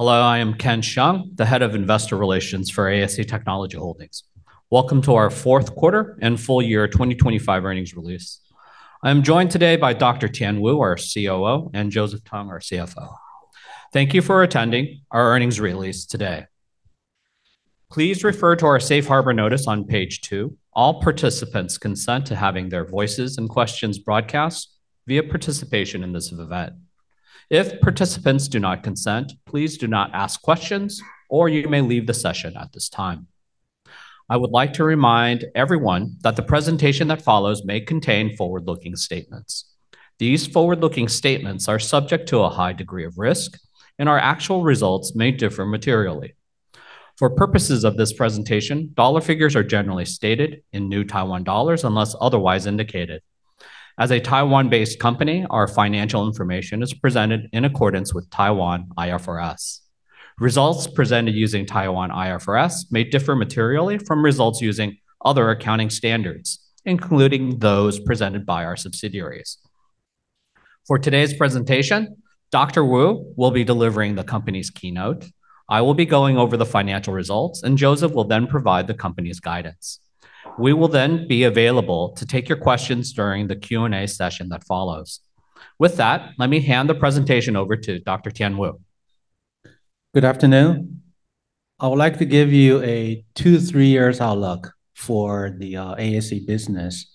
Hello, I am Ken Hsiang, the Head of Investor Relations for ASE Technology Holding. Welcome to our fourth quarter and full year 2025 earnings release. I'm joined today by Dr. Tien Wu, our COO, and Joseph Tung, our CFO. Thank you for attending our earnings release today. Please refer to our safe harbor notice on page two. All participants consent to having their voices and questions broadcast via participation in this event. If participants do not consent, please do not ask questions, or you may leave the session at this time. I would like to remind everyone that the presentation that follows may contain forward-looking statements. These forward-looking statements are subject to a high degree of risk, and our actual results may differ materially. For purposes of this presentation, dollar figures are generally stated in New Taiwan dollars, unless otherwise indicated. As a Taiwan-based company, our financial information is presented in accordance with Taiwan IFRS. Results presented using Taiwan IFRS may differ materially from results using other accounting standards, including those presented by our subsidiaries. For today's presentation, Dr. Wu will be delivering the company's keynote, I will be going over the financial results, and Joseph will then provide the company's guidance. We will then be available to take your questions during the Q&A session that follows. With that, let me hand the presentation over to Dr. Tien Wu. Good afternoon. I would like to give you a two to three years outlook for the ASE business.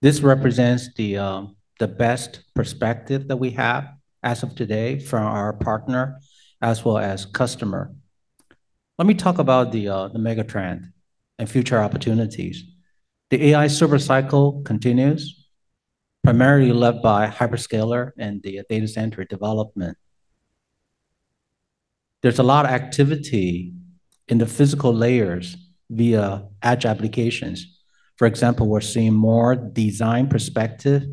This represents the best perspective that we have as of today from our partner, as well as customer. Let me talk about the mega trend and future opportunities. The AI server cycle continues, primarily led by hyperscaler and the data center development. There's a lot of activity in the physical layers via edge applications. For example, we're seeing more design perspective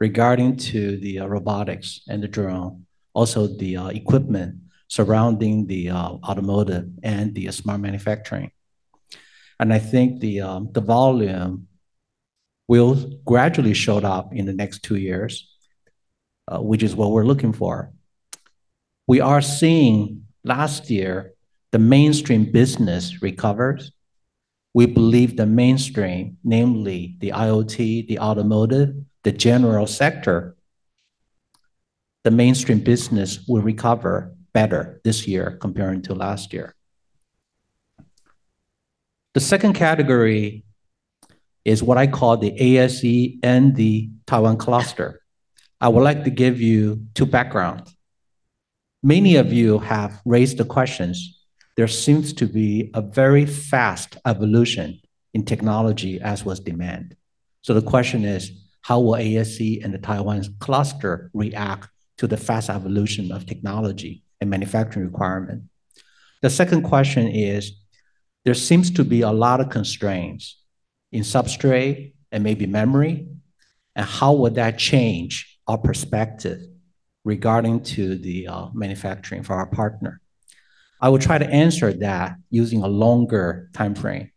regarding to the robotics and the drone, also the equipment surrounding the automotive and the smart manufacturing. And I think the volume will gradually show up in the next two years, which is what we're looking for. We are seeing last year, the mainstream business recovered. We believe the mainstream, namely the IoT, the automotive, the general sector, the mainstream business will recover better this year comparing to last year. The second category is what I call the ASE and the Taiwan cluster. I would like to give you two background. Many of you have raised the questions. There seems to be a very fast evolution in technology as was demand. So the question is, how will ASE and the Taiwan's cluster react to the fast evolution of technology and manufacturing requirement? The second question is, there seems to be a lot of constraints in substrate and maybe memory, and how would that change our perspective regarding to the manufacturing for our partner? I will try to answer that using a longer timeframe.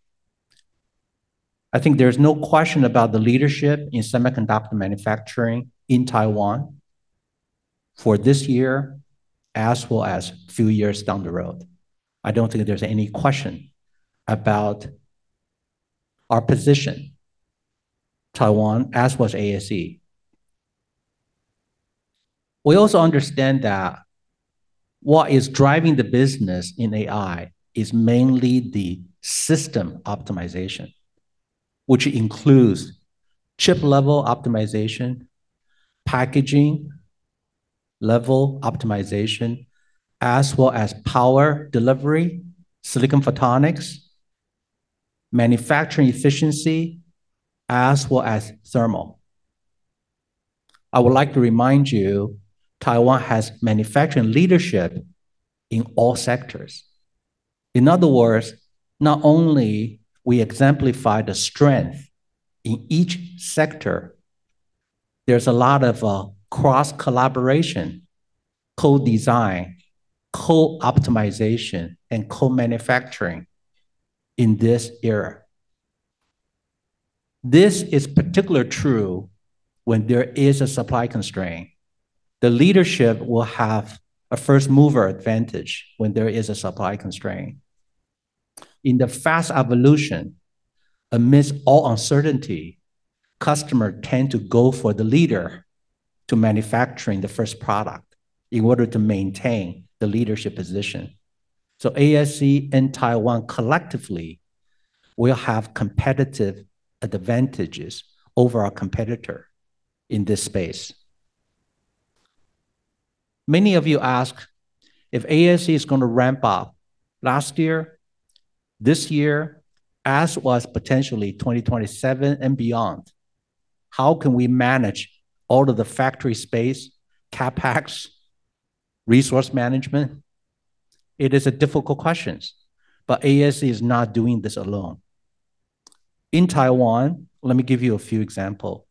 I think there's no question about the leadership in semiconductor manufacturing in Taiwan for this year, as well as few years down the road. I don't think there's any question about our position, Taiwan, as was ASE. We also understand that what is driving the business in AI is mainly the system optimization, which includes chip-level optimization, packaging, level optimization, as well as power delivery, silicon photonics, manufacturing efficiency, as well as thermal. I would like to remind you, Taiwan has manufacturing leadership in all sectors. In other words, not only we exemplify the strength in each sector, there's a lot of cross-collaboration, co-design, co-optimization, and co-manufacturing in this era. This is particularly true when there is a supply constraint. The leadership will have a first-mover advantage when there is a supply constraint. In the fast evolution, amidst all uncertainty, customers tend to go for the leader to manufacture the first product in order to maintain the leadership position. So ASE and Taiwan collectively will have competitive advantages over our competitor in this space. Many of you ask if ASE is gonna ramp up last year, this year, as well as potentially 2027 and beyond, how can we manage all of the factory space, CapEx, resource management? It is a difficult question, but ASE is not doing this alone. In Taiwan, let me give you a few examples.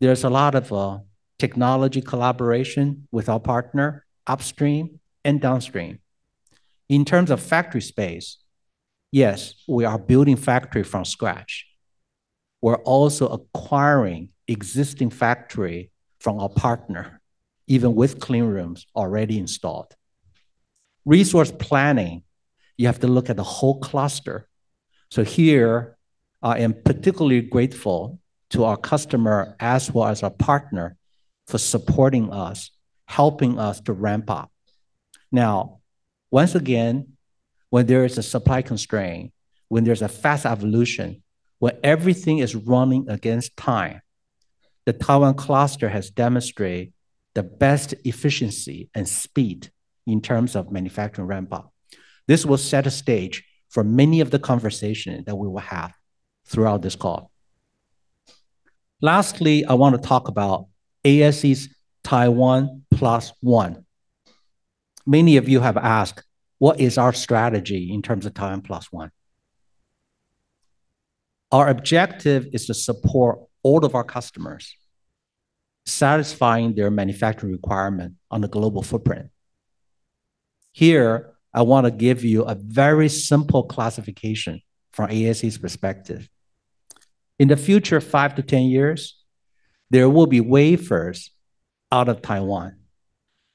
There's a lot of technology collaboration with our partner, upstream and downstream. In terms of factory space, yes, we are building factories from scratch. We're also acquiring existing factories from our partner, even with clean rooms already installed. Resource planning, you have to look at the whole cluster. So here, I am particularly grateful to our customer as well as our partner for supporting us, helping us to ramp up. Now, once again, when there is a supply constraint, when there's a fast evolution, when everything is running against time, the Taiwan cluster has demonstrated the best efficiency and speed in terms of manufacturing ramp-up. This will set a stage for many of the conversation that we will have throughout this call. Lastly, I wanna talk about ASE's Taiwan Plus One. Many of you have asked, what is our strategy in terms of Taiwan Plus One? Our objective is to support all of our customers, satisfying their manufacturing requirement on a global footprint. Here, I wanna give you a very simple classification from ASE's perspective. In the future five to 10 years, there will be wafers out of Taiwan.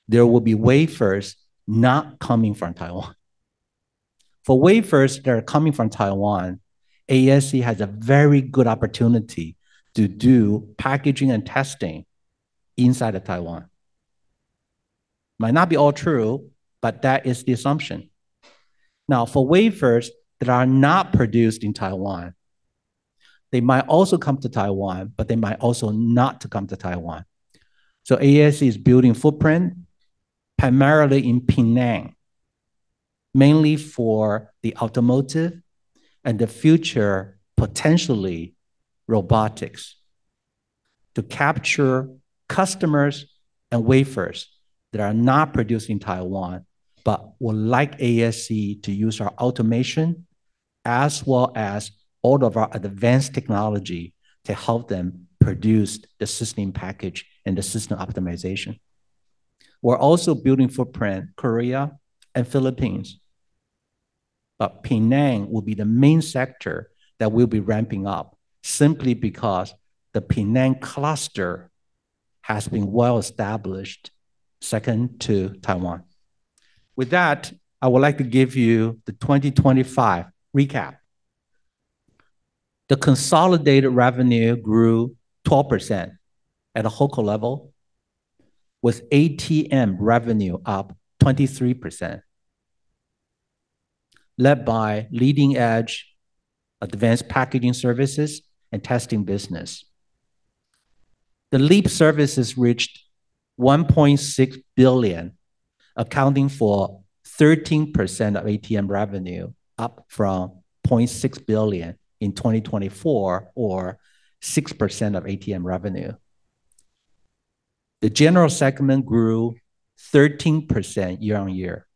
There will be wafers not coming from Taiwan. For wafers that are coming from Taiwan, ASE has a very good opportunity to do packaging and testing inside of Taiwan. Might not be all true, but that is the assumption. Now, for wafers that are not produced in Taiwan, they might also come to Taiwan, but they might also not to come to Taiwan. So ASE is building footprint primarily in Penang, mainly for the automotive and the future, potentially, robotics, to capture customers and wafers that are not produced in Taiwan, but would like ASE to use our automation as well as all of our advanced technology to help them produce the system package and the system optimization. We're also building footprint, Korea and Philippines, but Penang will be the main sector that we'll be ramping up, simply because the Penang cluster has been well-established, second to Taiwan. With that, I would like to give you the 2025 recap. The consolidated revenue grew 12% at a whole core level, with ATM revenue up 23%, led by leading-edge advanced packaging services and testing business. The LEAP services reached 1.6 billion, accounting for 13% of ATM revenue, up from 0.6 billion in 2024, or 6% of ATM revenue. The general segment grew 13% year-on-year.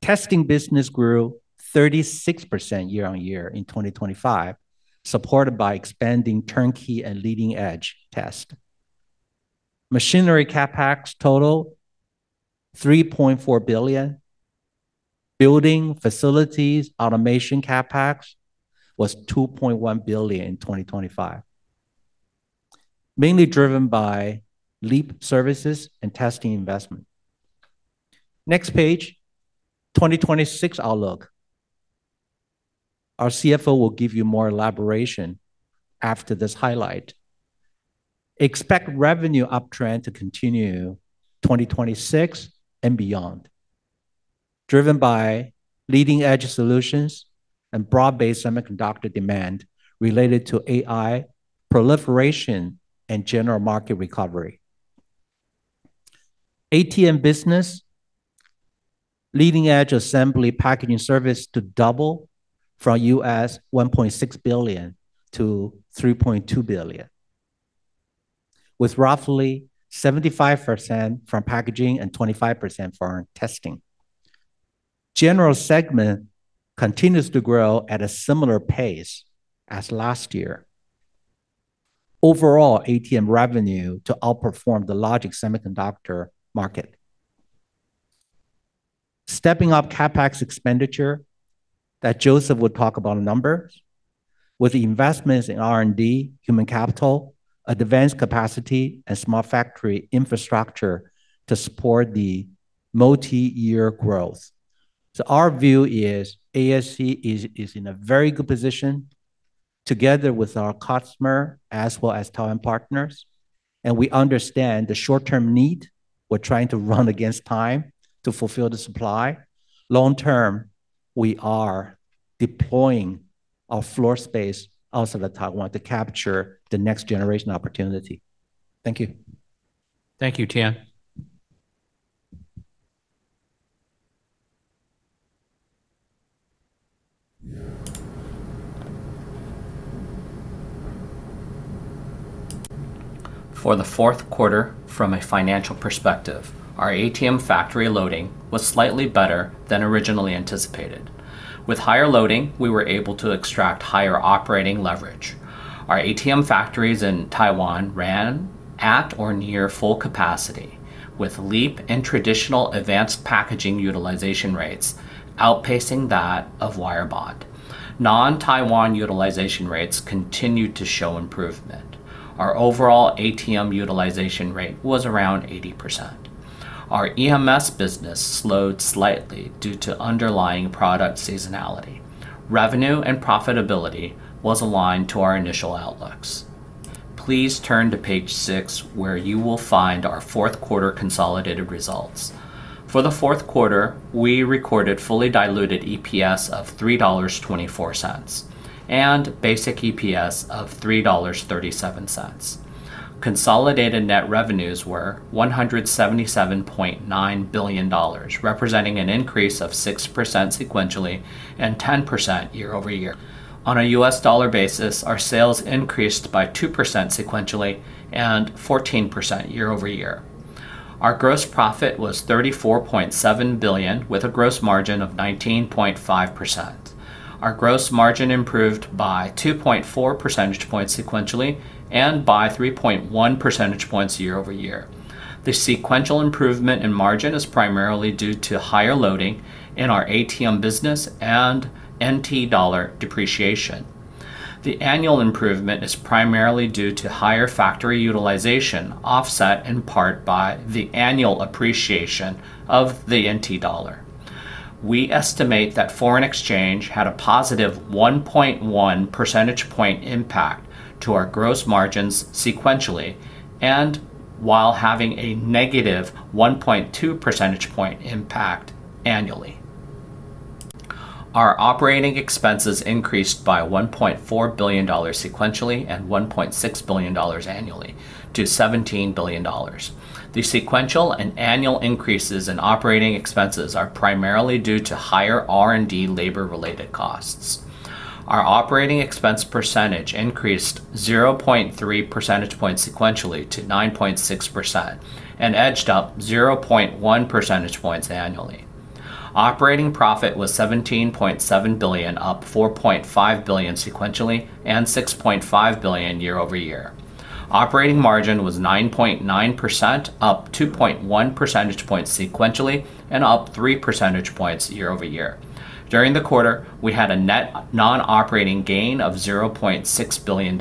Testing business grew 36% year-on-year in 2025, supported by expanding turnkey and leading-edge test. Machinery CapEx total, 3.4 billion. Building facilities, automation CapEx was 2.1 billion in 2025, mainly driven by LEAP services and testing investment. Next page, 2026 outlook. Our CFO will give you more elaboration after this highlight. Expect revenue uptrend to continue 2026 and beyond, driven by leading-edge solutions and broad-based semiconductor demand related to AI proliferation and general market recovery. ATM business, leading-edge assembly packaging service to double from $1.6 billion-$3.2 billion, with roughly 75% from packaging and 25% for testing. General segment continues to grow at a similar pace as last year. Overall, ATM revenue to outperform the logic semiconductor market. Stepping up CapEx expenditure, that Joseph would talk about in numbers, with the investments in R&D, human capital, advanced capacity, and smart factory infrastructure to support the multi-year growth. So our view is ASE is, is in a very good position together with our customer as well as Taiwan partners, and we understand the short-term need. We're trying to run against time to fulfill the supply. Long-term, we are deploying our floor space out of the Taiwan to capture the next generation opportunity. Thank you. Thank you, Tien. For the fourth quarter, from a financial perspective, our ATM factory loading was slightly better than originally anticipated. With higher loading, we were able to extract higher operating leverage. Our ATM factories in Taiwan ran at or near full capacity, with LEAP and traditional advanced packaging utilization rates outpacing that of Wire Bond. Non-Taiwan utilization rates continued to show improvement. Our overall ATM utilization rate was around 80%. Our EMS business slowed slightly due to underlying product seasonality. Revenue and profitability was aligned to our initial outlooks. Please turn to page six, where you will find our fourth quarter consolidated results. For the fourth quarter, we recorded fully diluted EPS of $3.24, and basic EPS of $3.37. Consolidated net revenues were NT$177.9 billion, representing an increase of 6% sequentially and 10% year-over-year. On a U.S. dollar basis, our sales increased by 2% sequentially and 14% year-over-year. Our gross profit was NT$34.7 billion, with a gross margin of 19.5%. Our gross margin improved by 2.4 percentage points sequentially and by 3.1 percentage points year-over-year. The sequential improvement in margin is primarily due to higher loading in our ATM business and NT dollar depreciation. The annual improvement is primarily due to higher factory utilization, offset in part by the annual appreciation of the NT dollar. We estimate that foreign exchange had a +1.1 percentage point impact to our gross margins sequentially, and while having a -1.2 percentage point impact annually. Our operating expenses increased by $1.4 billion sequentially and $1.6 billion annually to $17 billion. The sequential and annual increases in operating expenses are primarily due to higher R&D labor-related costs. Our operating expense percentage increased 0.3 percentage points sequentially to 9.6% and edged up 0.1 percentage points annually. Operating profit was $17.7 billion, up $4.5 billion sequentially and $6.5 billion year-over-year. Operating margin was 9.9%, up 2.1 percentage points sequentially and up 3 percentage points year-over-year. During the quarter, we had a net non-operating gain of $0.6 billion.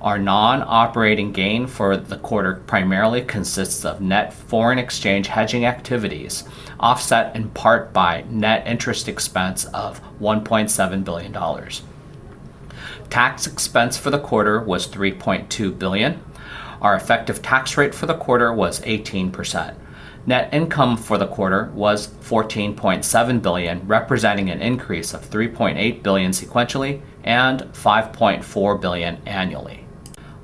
Our non-operating gain for the quarter primarily consists of net foreign exchange hedging activities, offset in part by net interest expense of $1.7 billion. Tax expense for the quarter was 3.2 billion. Our effective tax rate for the quarter was 18%. Net income for the quarter was 14.7 billion, representing an increase of 3.8 billion sequentially and 5.4 billion annually.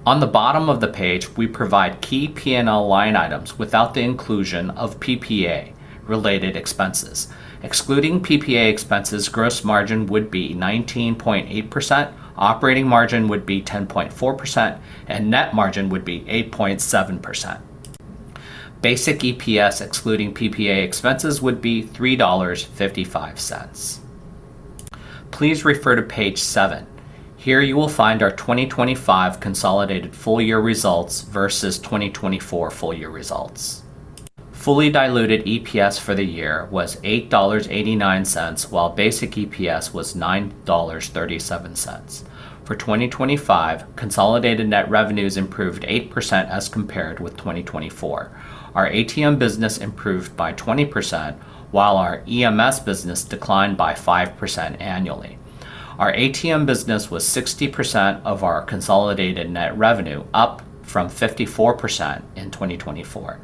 On the bottom of the page, we provide key P&L line items without the inclusion of PPA-related expenses. Excluding PPA expenses, gross margin would be 19.8%, operating margin would be 10.4%, and net margin would be 8.7%. Basic EPS, excluding PPA expenses, would be $3.55. Please refer to page seven. Here, you will find our 2025 consolidated full-year results versus 2024 full-year results. Fully diluted EPS for the year was $8.89, while basic EPS was $9.37. For 2025, consolidated net revenues improved 8% as compared with 2024. Our ATM business improved by 20%, while our EMS business declined by 5% annually. Our ATM business was 60% of our consolidated net revenue, up from 54% in 2024.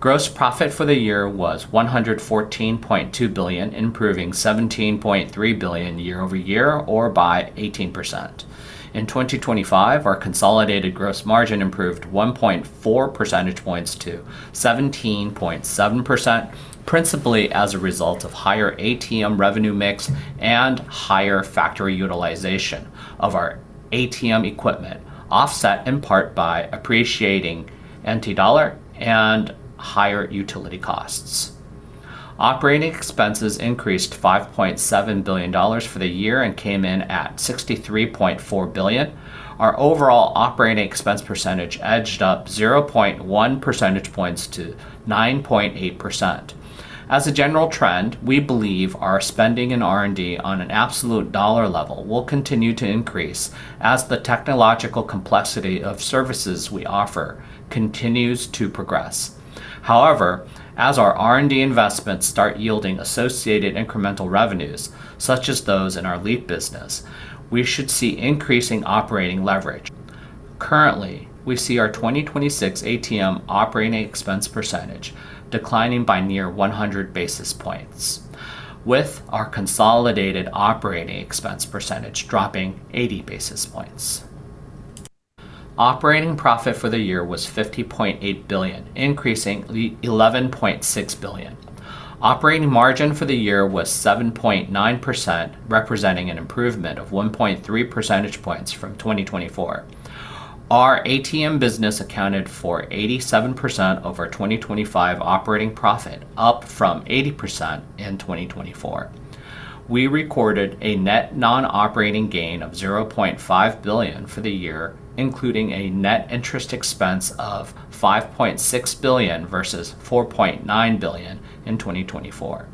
Gross profit for the year was 114.2 billion, improving 17.3 billion year-over-year, or by 18%. In 2025, our consolidated gross margin improved 1.4 percentage points to 17.7%, principally as a result of higher ATM revenue mix and higher factory utilization of our ATM equipment, offset in part by appreciating NT dollar and higher utility costs. Operating expenses increased 5.7 billion dollars for the year and came in at 63.4 billion. Our overall operating expense percentage edged up 0.1 percentage points to 9.8%. As a general trend, we believe our spending in R&D on an absolute dollar level will continue to increase as the technological complexity of services we offer continues to progress. However, as our R&D investments start yielding associated incremental revenues, such as those in our LEAP business, we should see increasing operating leverage. Currently, we see our 2026 ATM operating expense percentage declining by near 100 basis points, with our consolidated operating expense percentage dropping 80 basis points. Operating profit for the year was 50.8 billion, increasing 11.6 billion. Operating margin for the year was 7.9%, representing an improvement of 1.3 percentage points from 2024. Our ATM business accounted for 87% of our 2025 operating profit, up from 80% in 2024. We recorded a net non-operating gain of 0.5 billion for the year, including a net interest expense of 5.6 billion versus 4.9 billion in 2024.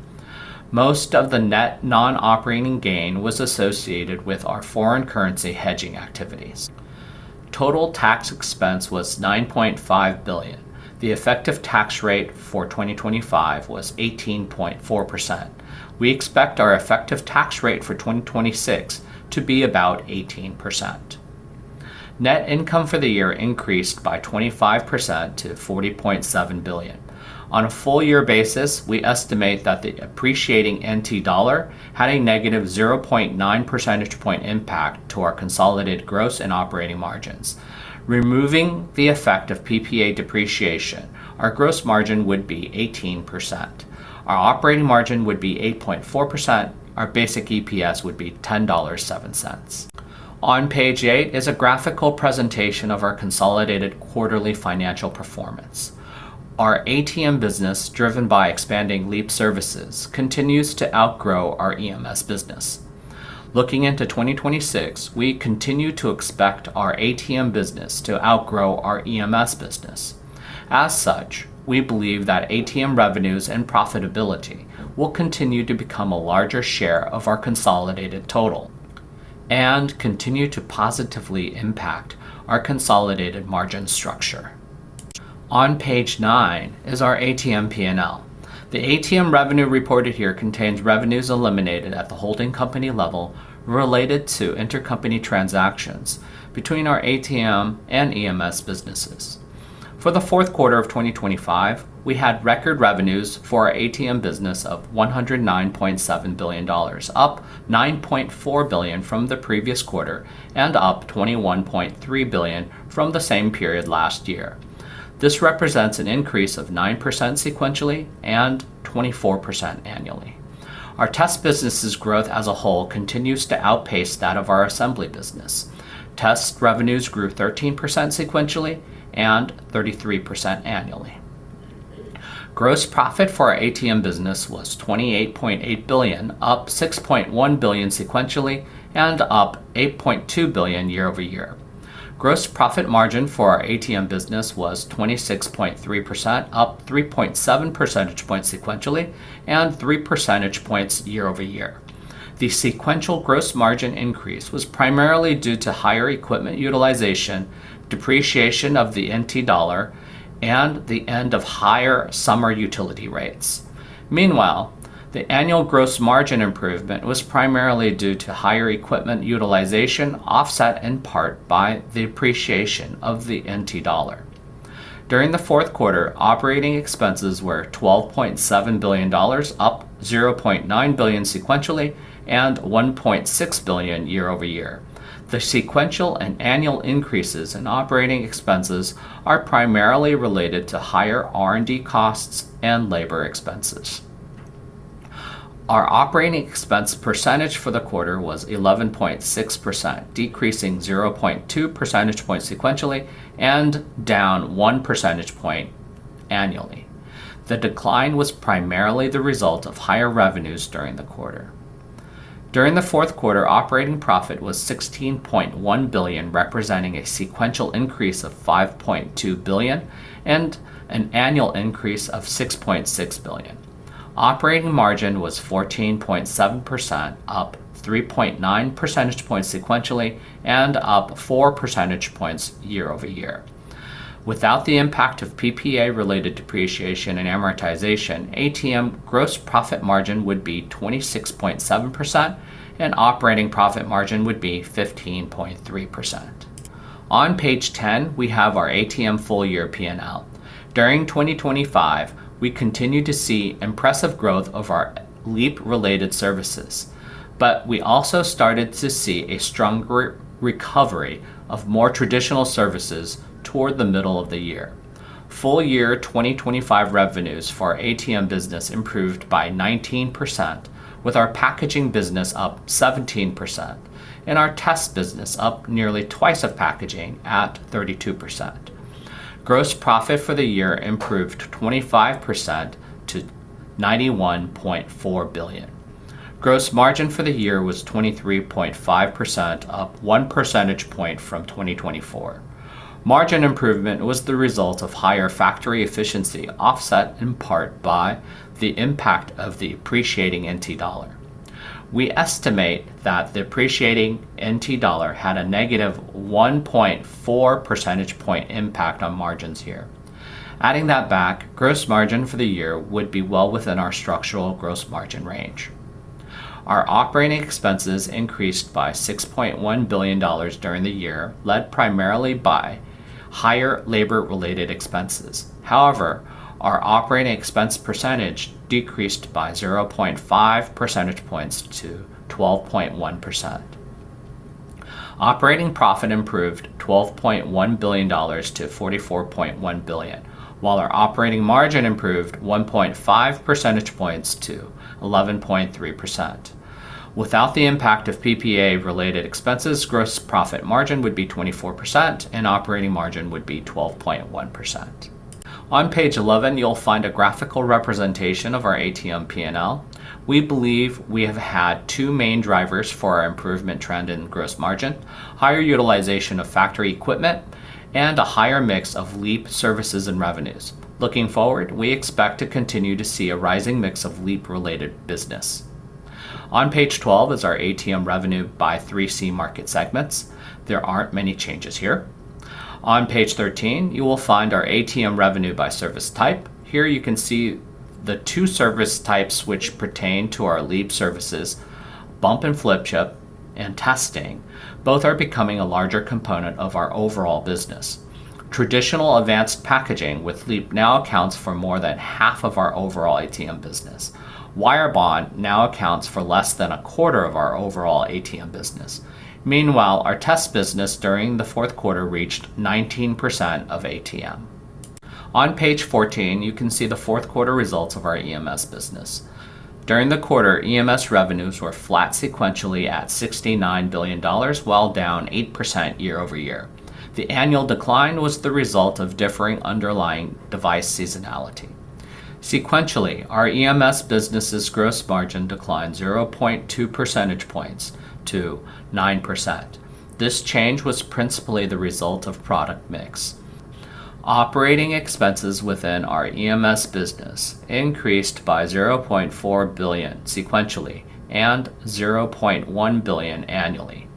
Most of the net non-operating gain was associated with our foreign currency hedging activities. Total tax expense was 9.5 billion. The effective tax rate for 2025 was 18.4%. We expect our effective tax rate for 2026 to be about 18%. Net income for the year increased by 25% to 40.7 billion. On a full year basis, we estimate that the appreciating NT dollar had a negative 0.9 percentage point impact to our consolidated gross and operating margins. Removing the effect of PPA depreciation, our gross margin would be 18%, our operating margin would be 8.4%, our basic EPS would be 10.07 dollars. On page eight is a graphical presentation of our consolidated quarterly financial performance. Our ATM business, driven by expanding LEAP services, continues to outgrow our EMS business. Looking into 2026, we continue to expect our ATM business to outgrow our EMS business. As such, we believe that ATM revenues and profitability will continue to become a larger share of our consolidated total and continue to positively impact our consolidated margin structure. On page nine is our ATM P&L. The ATM revenue reported here contains revenues eliminated at the holding company level related to intercompany transactions between our ATM and EMS businesses. For the fourth quarter of 2025, we had record revenues for our ATM business of 109.7 billion dollars, up 9.4 billion from the previous quarter and up 21.3 billion from the same period last year. This represents an increase of 9% sequentially and 24% annually. Our test business's growth as a whole continues to outpace that of our assembly business. Test revenues grew 13% sequentially and 33% annually. Gross profit for our ATM business was 28.8 billion, up 6.1 billion sequentially, and up 8.2 billion year-over-year. Gross profit margin for our ATM business was 26.3%, up 3.7 percentage points sequentially, and 3 percentage points year-over-year. The sequential gross margin increase was primarily due to higher equipment utilization, depreciation of the NT dollar, and the end of higher summer utility rates. Meanwhile, the annual gross margin improvement was primarily due to higher equipment utilization, offset in part by the appreciation of the NT dollar. During the fourth quarter, operating expenses were 12.7 billion dollars, up 0.9 billion sequentially, and 1.6 billion year-over-year. The sequential and annual increases in operating expenses are primarily related to higher R&D costs and labor expenses. Our operating expense percentage for the quarter was 11.6%, decreasing 0.2 percentage points sequentially and down 1 percentage point annually. The decline was primarily the result of higher revenues during the quarter. During the fourth quarter, operating profit was 16.1 billion, representing a sequential increase of 5.2 billion and an annual increase of 6.6 billion. Operating margin was 14.7%, up 3.9 percentage points sequentially and up 4 percentage points year-over-year. Without the impact of PPA-related depreciation and amortization, ATM gross profit margin would be 26.7% and operating profit margin would be 15.3%. On page 10, we have our ATM full year P&L. During 2025, we continued to see impressive growth of our Leap-related services, but we also started to see a stronger recovery of more traditional services toward the middle of the year. Full year 2025 revenues for our ATM business improved by 19%, with our packaging business up 17% and our test business up nearly twice of packaging at 32%. Gross profit for the year improved 25% to 91.4 billion. Gross margin for the year was 23.5%, up 1 percentage point from 2024. Margin improvement was the result of higher factory efficiency, offset in part by the impact of the appreciating NT dollar. We estimate that the appreciating NT dollar had a -1.4 percentage point impact on margins here. Adding that back, gross margin for the year would be well within our structural gross margin range. Our operating expenses increased by $6.1 billion during the year, led primarily by higher labor-related expenses. However, our operating expense percentage decreased by 0.5 percentage points to 12.1%. Operating profit improved $12.1 billion to $44.1 billion, while our operating margin improved 1.5 percentage points to 11.3%. Without the impact of PPA-related expenses, gross profit margin would be 24% and operating margin would be 12.1%.... On page 11, you'll find a graphical representation of our ATM P&L. We believe we have had two main drivers for our improvement trend in gross margin: higher utilization of factory equipment and a higher mix of LEAP services and revenues. Looking forward, we expect to continue to see a rising mix of LEAP-related business. On page 12 is our ATM revenue by 3C market segments. There aren't many changes here. On page 13, you will find our ATM revenue by service type. Here you can see the two service types which pertain to our LEAP services, bump and Flip Chip, and testing. Both are becoming a larger component of our overall business. Traditional advanced packaging with LEAP now accounts for more than half of our overall ATM business. Wire Bond now accounts for less than a quarter of our overall ATM business. Meanwhile, our test business during the fourth quarter reached 19% of ATM. On page 14, you can see the fourth quarter results of our EMS business. During the quarter, EMS revenues were flat sequentially at $69 billion, while down 8% year-over-year. The annual decline was the result of differing underlying device seasonality. Sequentially, our EMS business's gross margin declined 0.2 percentage points to 9%. This change was principally the result of product mix. Operating expenses within our EMS business increased by $0.4 billion sequentially and $0.1 billion annually.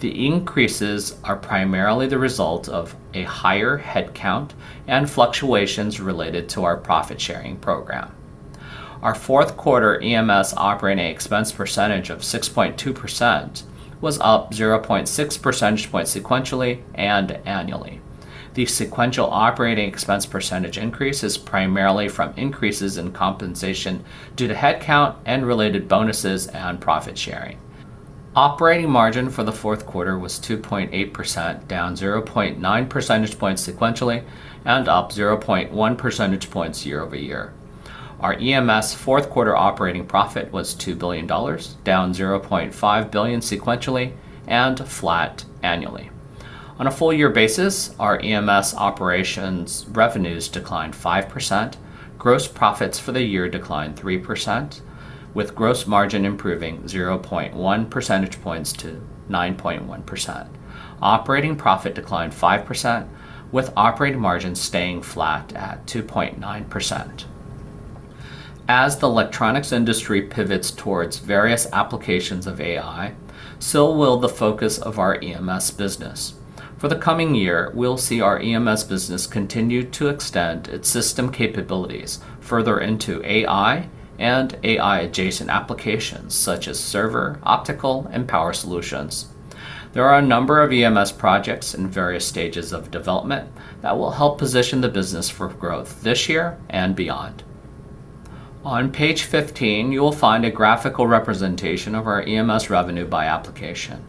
The increases are primarily the result of a higher headcount and fluctuations related to our profit-sharing program. Our fourth quarter EMS operating expense percentage of 6.2% was up 0.6 percentage points sequentially and annually. The sequential operating expense percentage increase is primarily from increases in compensation due to headcount and related bonuses and profit sharing. Operating margin for the fourth quarter was 2.8%, down 0.9 percentage points sequentially and up 0.1 percentage points year-over-year. Our EMS fourth quarter operating profit was $2 billion, down $0.5 billion sequentially and flat annually. On a full year basis, our EMS operations revenues declined 5%. Gross profits for the year declined 3%, with gross margin improving 0.1 percentage points to 9.1%. Operating profit declined 5%, with operating margins staying flat at 2.9%. As the electronics industry pivots towards various applications of AI, so will the focus of our EMS business. For the coming year, we'll see our EMS business continue to extend its system capabilities further into AI and AI-adjacent applications such as server, optical, and power solutions. There are a number of EMS projects in various stages of development that will help position the business for growth this year and beyond. On page 15, you will find a graphical representation of our EMS revenue by application.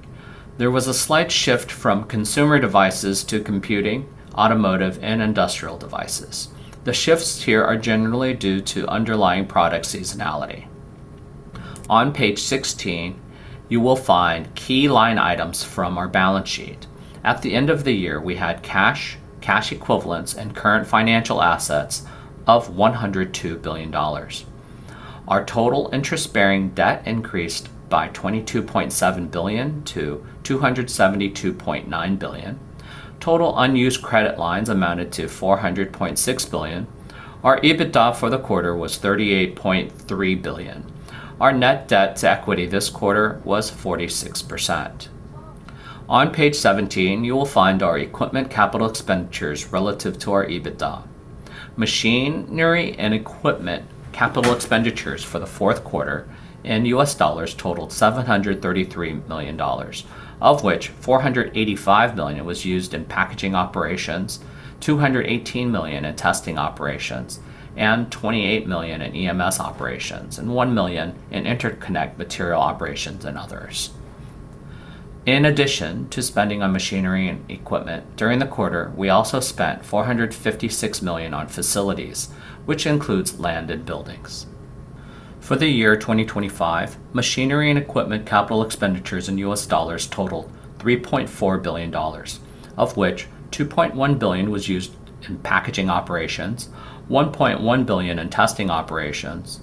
There was a slight shift from consumer devices to computing, automotive, and industrial devices. The shifts here are generally due to underlying product seasonality. On page 16, you will find key line items from our balance sheet. At the end of the year, we had cash, cash equivalents, and current financial assets of 102 billion dollars. Our total interest-bearing debt increased by 22.7 billion to 272.9 billion. Total unused credit lines amounted to 400.6 billion. Our EBITDA for the quarter was 38.3 billion. Our net debt to equity this quarter was 46%. On page 17, you will find our equipment capital expenditures relative to our EBITDA. Machinery and equipment capital expenditures for the fourth quarter in U.S. dollars totaled $733 million, of which $485 million was used in packaging operations, $218 million in testing operations, and $28 million in EMS operations, and $1 million in interconnect material operations and others. In addition to spending on machinery and equipment, during the quarter, we also spent $456 million on facilities, which includes land and buildings. For the year 2025, machinery and equipment capital expenditures in U.S. dollars totaled $3.4 billion, of which $2.1 billion was used in packaging operations, $1.1 billion in testing operations,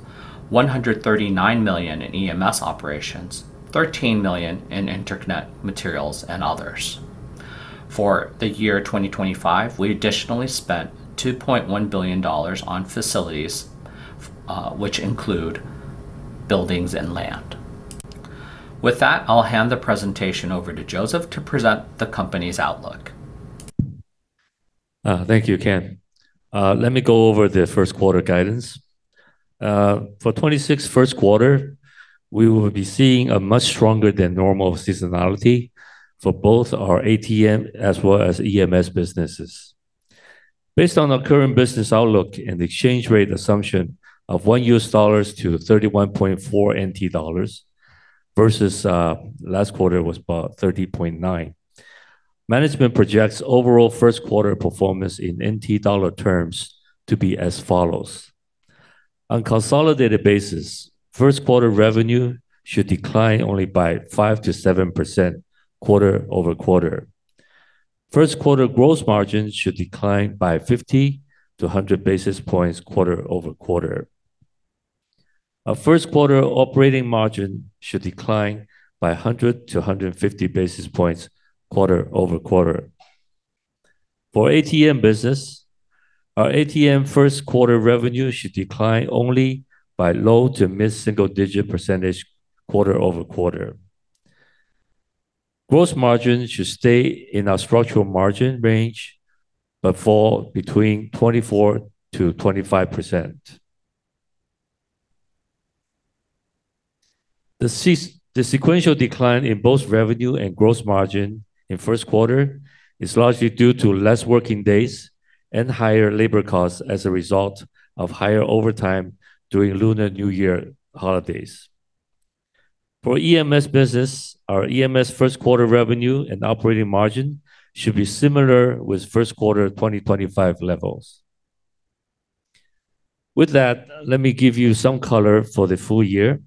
$139 million in EMS operations, $13 million in interconnect materials and others. For the year 2025, we additionally spent $2.1 billion on facilities, which include buildings and land. With that, I'll hand the presentation over to Joseph to present the company's outlook. Thank you, Ken. Let me go over the first quarter guidance. For 2026 first quarter, we will be seeing a much stronger than normal seasonality for both our ATM as well as EMS businesses. Based on our current business outlook and exchange rate assumption of$ 1 to 31.4 NT dollars, versus last quarter was about 30.9. Management projects overall first quarter performance in NT dollar terms to be as follows. On consolidated basis, first quarter revenue should decline only by 5%-7% quarter-over-quarter. First quarter gross margin should decline by 50 basis points-100 basis points quarter-over-quarter. Our first quarter operating margin should decline by 100 basis points-150 basis points quarter-over-quarter. For ATM business, our ATM first quarter revenue should decline only by low- to mid-single-digit percentage quarter-over-quarter. Gross margin should stay in our structural margin range, but fall between 24%-25%. The sequential decline in both revenue and gross margin in first quarter is largely due to less working days and higher labor costs as a result of higher overtime during Lunar New Year holidays. For EMS business, our EMS first quarter revenue and operating margin should be similar with first quarter 2025 levels. With that, let me give you some color for the full year.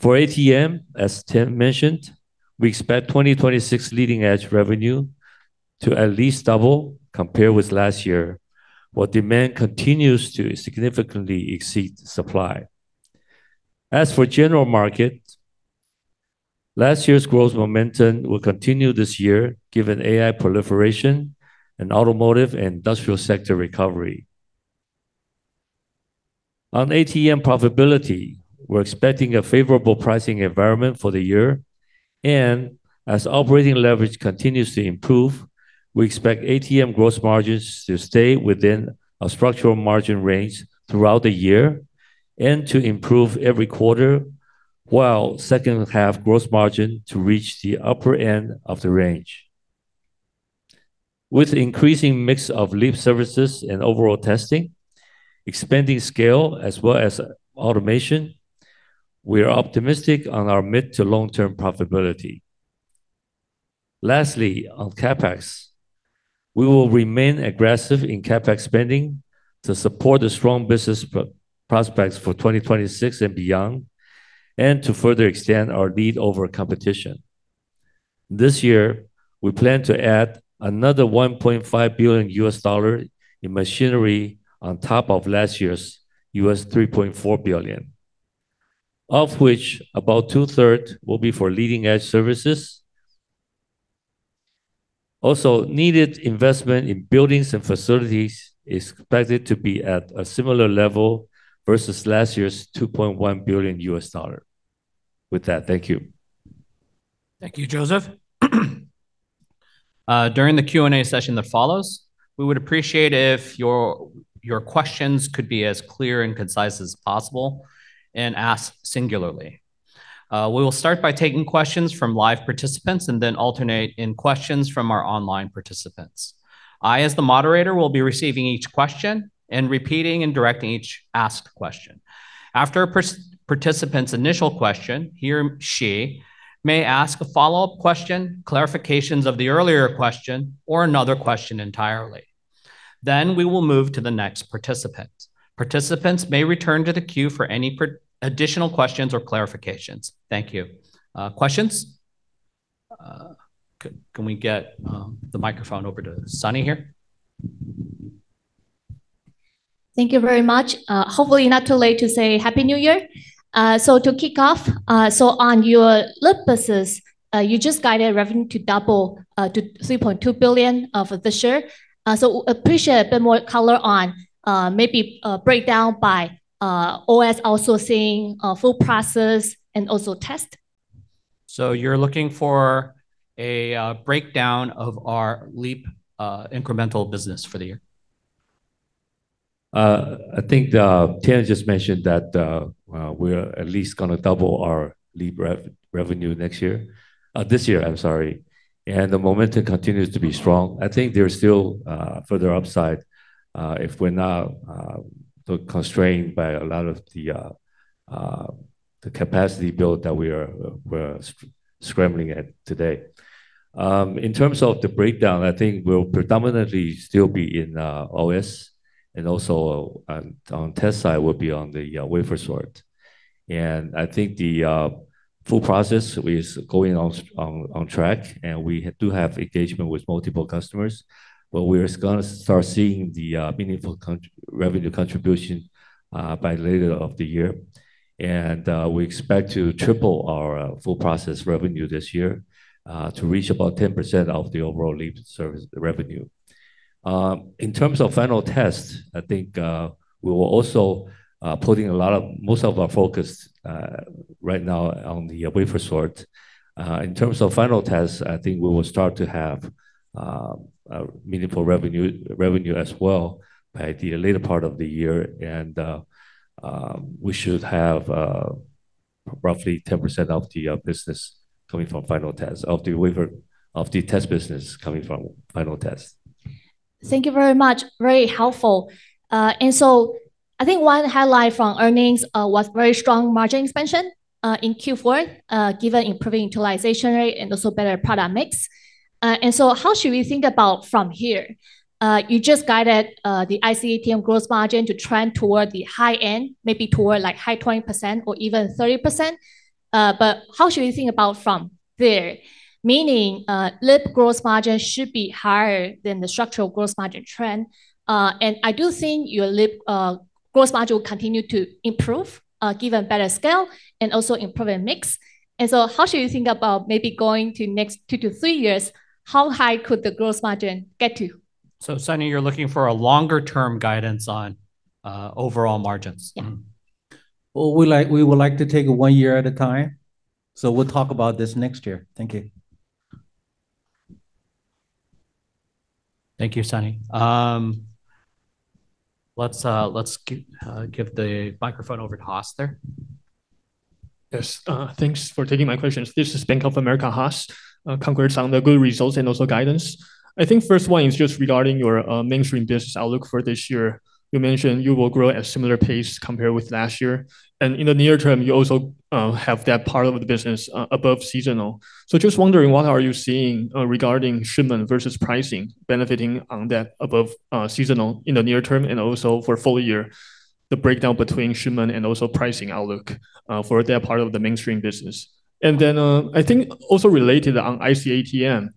For ATM, as Tien mentioned, we expect 2026 leading-edge revenue to at least double compared with last year, while demand continues to significantly exceed supply. As for general market, last year's growth momentum will continue this year, given AI proliferation and automotive and industrial sector recovery. On ATM profitability, we're expecting a favorable pricing environment for the year, and as operating leverage continues to improve, we expect ATM gross margins to stay within a structural margin range throughout the year and to improve every quarter, while second half gross margin to reach the upper end of the range. With increasing mix of LEAP services and overall testing, expanding scale, as well as automation, we are optimistic on our mid- to long-term profitability. Lastly, on CapEx, we will remain aggressive in CapEx spending to support the strong business prospects for 2026 and beyond, and to further extend our lead over competition. This year, we plan to add another $1.5 billion in machinery on top of last year's $3.4 billion, of which about two-thirds will be for leading-edge services. Also, needed investment in buildings and facilities is expected to be at a similar level versus last year's $2.1 billion. With that, thank you. Thank you, Joseph. During the Q&A session that follows, we would appreciate if your questions could be as clear and concise as possible and asked singularly. We will start by taking questions from live participants and then alternate in questions from our online participants. I, as the moderator, will be receiving each question and repeating and directing each asked question. After a participant's initial question, he or she may ask a follow-up question, clarifications of the earlier question, or another question entirely. Then, we will move to the next participant. Participants may return to the queue for any additional questions or clarifications. Thank you. Questions? Can we get the microphone over to Sunny here? Thank you very much. Hopefully not too late to say Happy New Year. So to kick off, so on your LEAP business, you just guided revenue to double, to 3.2 billion of this year. So appreciate a bit more color on, maybe a breakdown by OS also seeing full process and also test. So you're looking for a breakdown of our LEAP incremental business for the year? I think Tien just mentioned that we're at least gonna double our LEAP revenue next year, this year, I'm sorry, and the momentum continues to be strong. I think there's still further upside if we're not constrained by a lot of the capacity build that we are scrambling at today. In terms of the breakdown, I think we'll predominantly still be in OS, and also on test side, we'll be on the wafer sort. I think the full process is going on track, and we do have engagement with multiple customers, but we're just gonna start seeing the meaningful revenue contribution by later of the year. We expect to triple our full process revenue this year to reach about 10% of the overall LEAP service revenue. In terms of final tests, I think we will also putting a lot of most of our focus right now on the wafer sort. In terms of final tests, I think we will start to have a meaningful revenue, revenue as well by the later part of the year, and we should have roughly 10% of the business coming from final tests, of the test business coming from final tests. Thank you very much. Very helpful. I think one highlight from earnings was very strong margin expansion in Q4, given improving utilization rate and also better product mix. And so how should we think about from here? You just guided the IC ATM gross margin to trend toward the high end, maybe toward, like, high 20% or even 30%. But how should we think about from there? Meaning, leap gross margin should be higher than the structural gross margin trend. And I do think your leap gross margin will continue to improve, given better scale and also improving mix. And so how should you think about maybe going to next two to three years, how high could the gross margin get to? So Sunny, you're looking for a longer-term guidance on overall margins? Yeah. Well, we like- we would like to take it one year at a time, so we'll talk about this next year. Thank you. Thank you, Sunny. Let's get the microphone over to Haas there. Yes, thanks for taking my questions. This is Bank of America, Haas. Congrats on the good results and also guidance. I think first one is just regarding your mainstream business outlook for this year. You mentioned you will grow at a similar pace compared with last year, and in the near term, you also have that part of the business above seasonal. So just wondering, what are you seeing regarding shipment versus pricing, benefiting on that above seasonal in the near term and also for full year, the breakdown between shipment and also pricing outlook for that part of the mainstream business? And then, I think also related on IC ATM,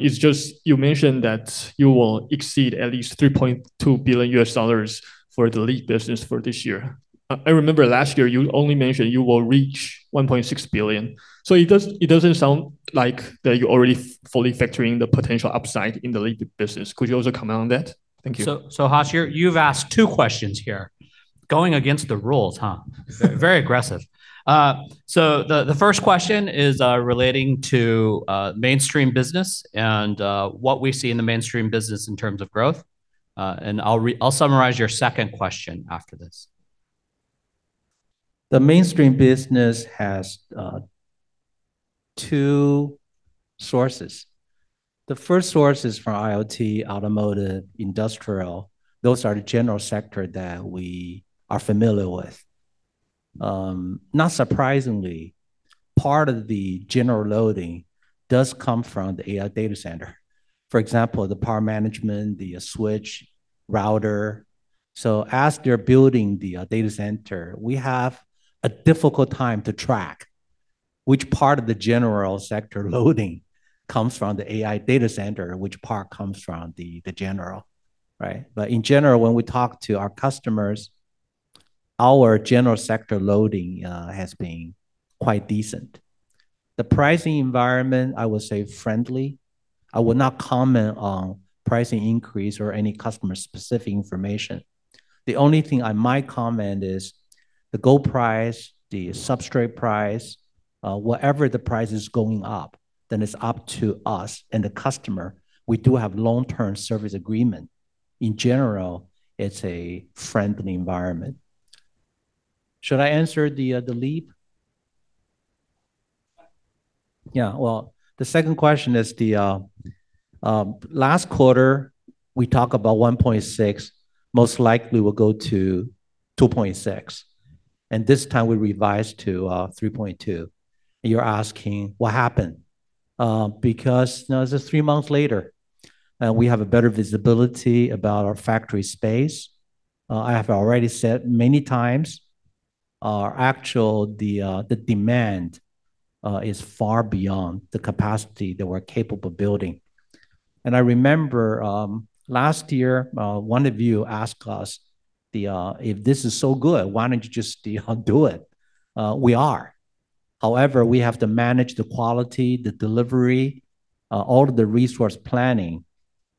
is just you mentioned that you will exceed at least $3.2 billion for the LEAP business for this year. I remember last year you only mentioned you will reach 1.6 billion. So it doesn't sound like that you're already fully factoring the potential upside in the lead business. Could you also comment on that? Thank you. So, Haas, you've asked two questions here, going against the rules, huh? Very aggressive. So the first question is relating to mainstream business and what we see in the mainstream business in terms of growth. And I'll summarize your second question after this. The mainstream business has two sources. The first source is from IoT, automotive, industrial. Those are the general sector that we are familiar with. Not surprisingly, part of the general loading does come from the AI data center. For example, the power management, the switch, router. So as they're building the data center, we have a difficult time to track which part of the general sector loading comes from the AI data center, and which part comes from the general, right? But in general, when we talk to our customers, our general sector loading has been quite decent. The pricing environment, I will say, friendly. I will not comment on pricing increase or any customer-specific information. The only thing I might comment is the gold price, the substrate price, whatever the price is going up, then it's up to us and the customer. We do have long-term service agreement. In general, it's a friendly environment. Should I answer the LEAP? Yeah, well, the second question is the last quarter, we talk about $1.6, most likely will go to $2.6, and this time we revised to $3.2. You're asking, what happened? Because now it's just three months later, and we have a better visibility about our factory space. I have already said many times, our actual demand is far beyond the capacity that we're capable of building. And I remember, last year, one of you asked us, "If this is so good, why don't you just do it?" We are. However, we have to manage the quality, the delivery, all of the resource planning,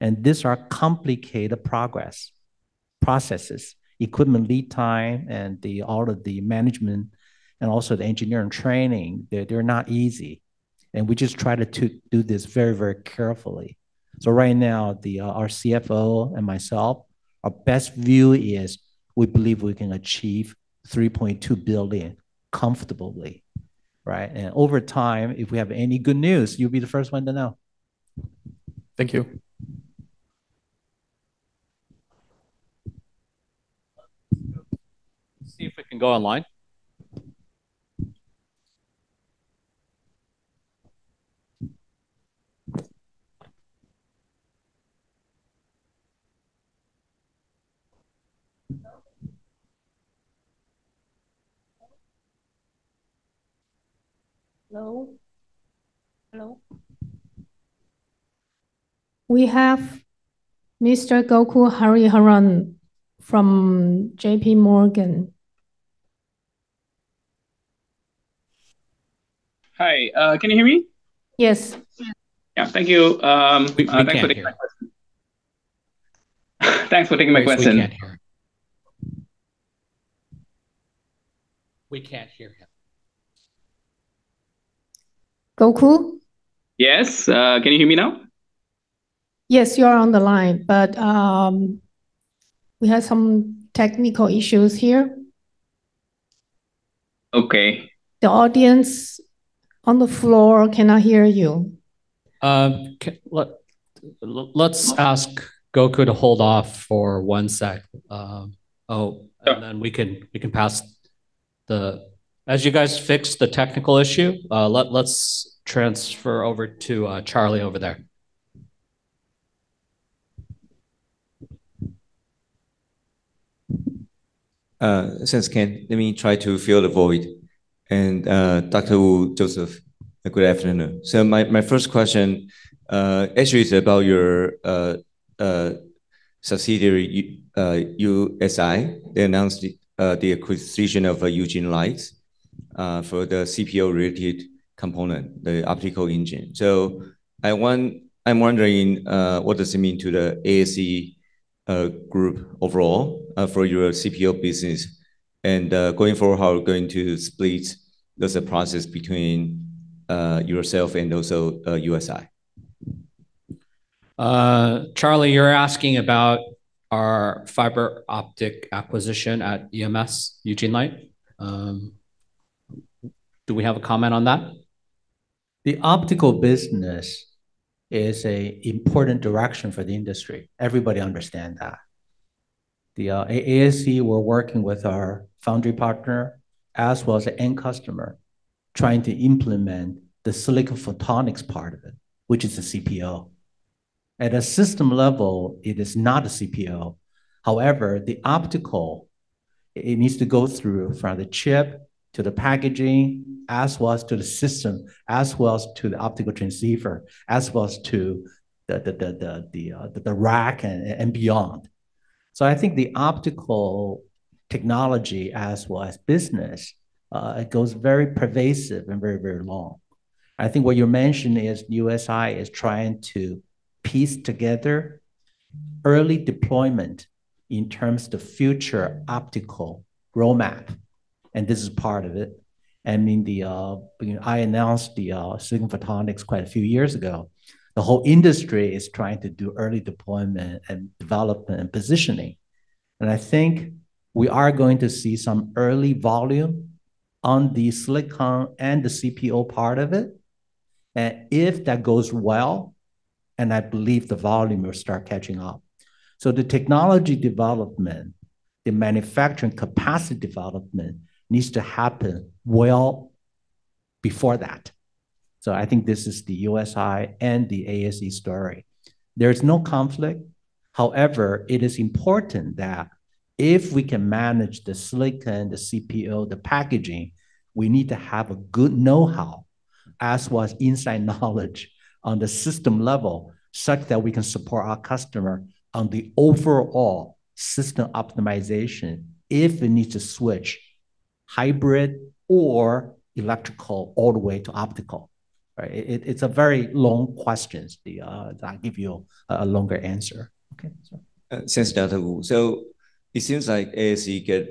and these are complicated processes. Equipment lead time and all of the management, and also the engineering training, they're not easy, and we just try to do this very, very carefully. So right now, our CFO and myself, our best view is we believe we can achieve 3.2 billion comfortably, right? And over time, if we have any good news, you'll be the first one to know. Thank you. See if we can go online. Hello? Hello. We have Mr. Gokul Hariharan from JPMorgan. Hi, can you hear me? Yes. Yeah. Thank you. We can't hear. Thanks for taking my question. We can't hear him. We can't hear him. Gokul? Yes. Can you hear me now? Yes, you are on the line, but we have some technical issues here. .Okay. The audience on the floor cannot hear you. Let's ask Gok to hold off for one sec. Sure. And then we can pass the. As you guys fix the technical issue, let's transfer over to Charlie over there. Since Ken, let me try to fill the void. And Dr. Tien Wu, Joseph Tung, good afternoon. So my first question, actually is about your subsidiary, USI. They announced the acquisition of EugenLight, for the CPO-related component, the optical engine. So I'm wondering, what does it mean to the ASE group overall, for your CPO business? And going forward, how are you going to split the process between yourself and also USI? Charlie, you're asking about our fiber optic acquisition at EMS, EugenLight. Do we have a comment on that? The optical business is a important direction for the industry. Everybody understand that. The ASE, we're working with our foundry partner, as well as the end customer, trying to implement the silicon photonics part of it, which is the CPO. At a system level, it is not a CPO. However, the optical, it needs to go through from the chip to the packaging, as well as to the system, as well as to the optical transceiver, as well as to the rack and beyond. So I think the optical technology, as well as business, it goes very pervasive and very, very long. I think what you're mentioning is USI is trying to piece together early deployment in terms of the future optical roadmap, and this is part of it. I mean, the, you know, I announced the Silicon Photonics quite a few years ago. The whole industry is trying to do early deployment, and development, and positioning, and I think we are going to see some early volume on the silicon and the CPO part of it. And if that goes well, and I believe the volume will start catching up. So the technology development, the manufacturing capacity development, needs to happen well before that. So I think this is the USI and the ASE story. There is no conflict. However, it is important that if we can manage the silicon, the CPO, the packaging, we need to have a good know-how, as well as inside knowledge on the system level, such that we can support our customer on the overall system optimization if it needs to switch hybrid or electrical all the way to optical, right? It's a very long question. I'll give you a longer answer. Okay, so. Thanks, Dr. Wu. So it seems like ASE get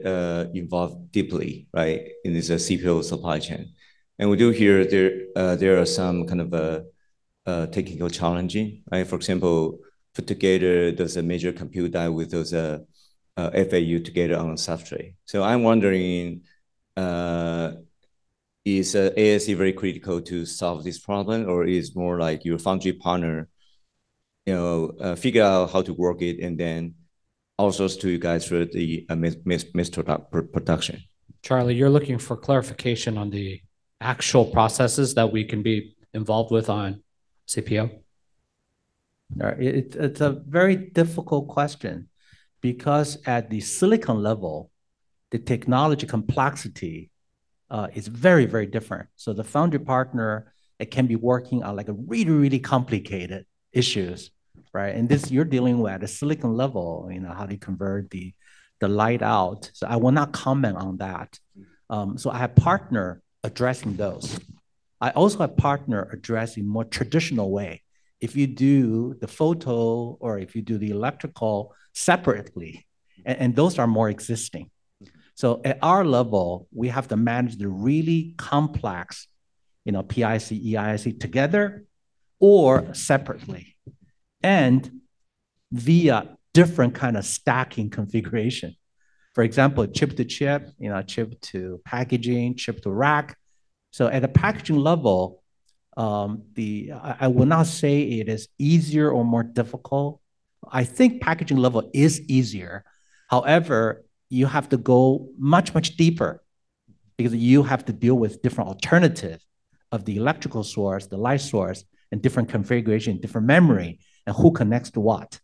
involved deeply, right? In this CPO supply chain. And we do hear there are some kind of technical challenging, right? For example, put together does a major compute die with those FAU together on a substrate. So I'm wondering, is ASE very critical to solve this problem, or is more like your foundry partner, you know, figure out how to work it, and then outsources to you guys for the OSAT mass production? Charlie, you're looking for clarification on the actual processes that we can be involved with on CPO? It's a very difficult question, because at the silicon level, the technology complexity is very, very different. So the foundry partner, it can be working on, like, a really, really complicated issues, right? And this, you're dealing with at a silicon level, you know, how to convert the light out. So I will not comment on that. Mm. So, I have partners addressing those. I also have partners addressing more traditional way. If you do the photonic or if you do the electrical separately, and those are more existing. Mm. So at our level, we have to manage the really complex, you know, PIC, EIC together or separately, and via different kind of stacking configuration. For example, chip-to-chip, you know, chip to packaging, chip to rack. So at a packaging level, I will not say it is easier or more difficult. I think packaging level is easier. However, you have to go much, much deeper because you have to deal with different alternative of the electrical source, the light source, and different configuration, different memory, and who connects to what,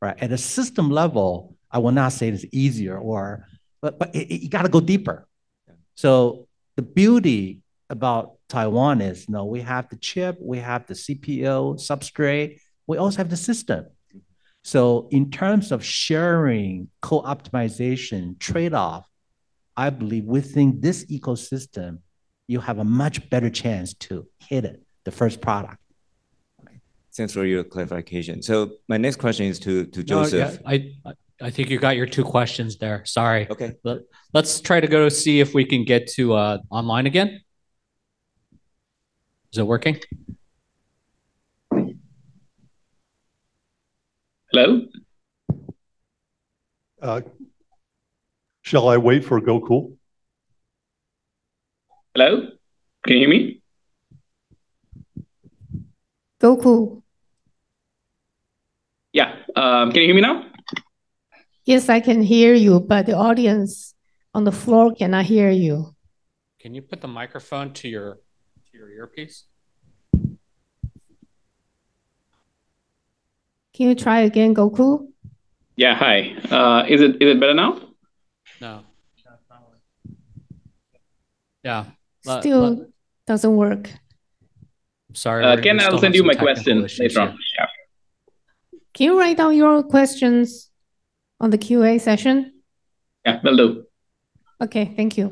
right? At a system level, I will not say it is easier or. But it, you gotta go deeper. Yeah. The beauty about Taiwan is, now we have the chip, we have the CPO substrate, we also have the system. Mm. In terms of sharing co-optimization trade-off, I believe within this ecosystem, you have a much better chance to hit it, the first product. Right. Thanks for your clarification. So my next question is to, to Joseph- No, yeah, I, I think you got your two questions there. Sorry. Okay. Let's try to go see if we can get online again. Is it working? Hello? Shall I wait for Gokul? Hello? Can you hear me? Gokul. Yeah, can you hear me now? Yes, I can hear you, but the audience on the floor cannot hear you. Can you put the microphone to your earpiece? Can you try again, Gokul? Yeah. Hi. Is it better now? No. No, it's not working. Yeah, but- Still doesn't work. Sorry, we still have some technical issues. Can I send you my question later on? Yeah. Can you write down your questions on the QA session? Yeah, will do. Okay, thank you.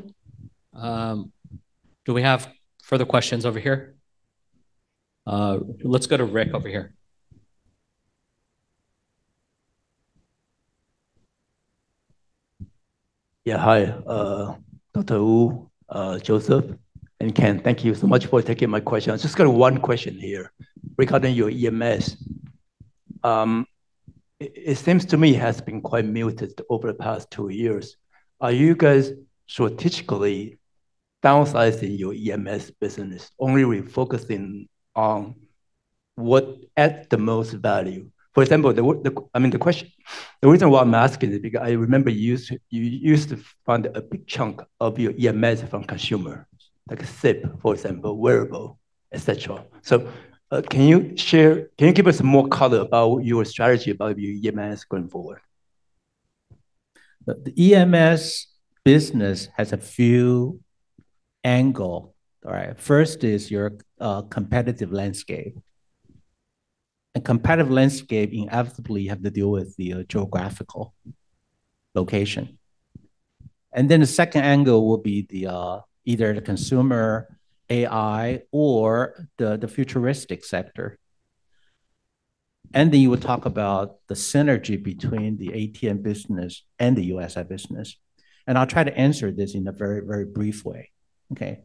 Do we have further questions over here? Let's go to Rick over here. Yeah. Hi, Dr. Wu, Joseph, and Ken, thank you so much for taking my question. I've just got one question here regarding your EMS. It seems to me it has been quite muted over the past two years. Are you guys strategically downsizing your EMS business, only refocusing on what adds the most value? For example, I mean, the question. The reason why I'm asking is because I remember you used to fund a big chunk of your EMS from consumer, like SiP, for example, wearable, et cetera. So, can you give us more color about your strategy about your EMS going forward? The EMS business has a few angle, all right? First is your competitive landscape. A competitive landscape inevitably have to deal with the geographical location. And then the second angle will be either the consumer AI or the futuristic sector. And then you will talk about the synergy between the ATM business and the USI business, and I'll try to answer this in a very, very brief way. Okay?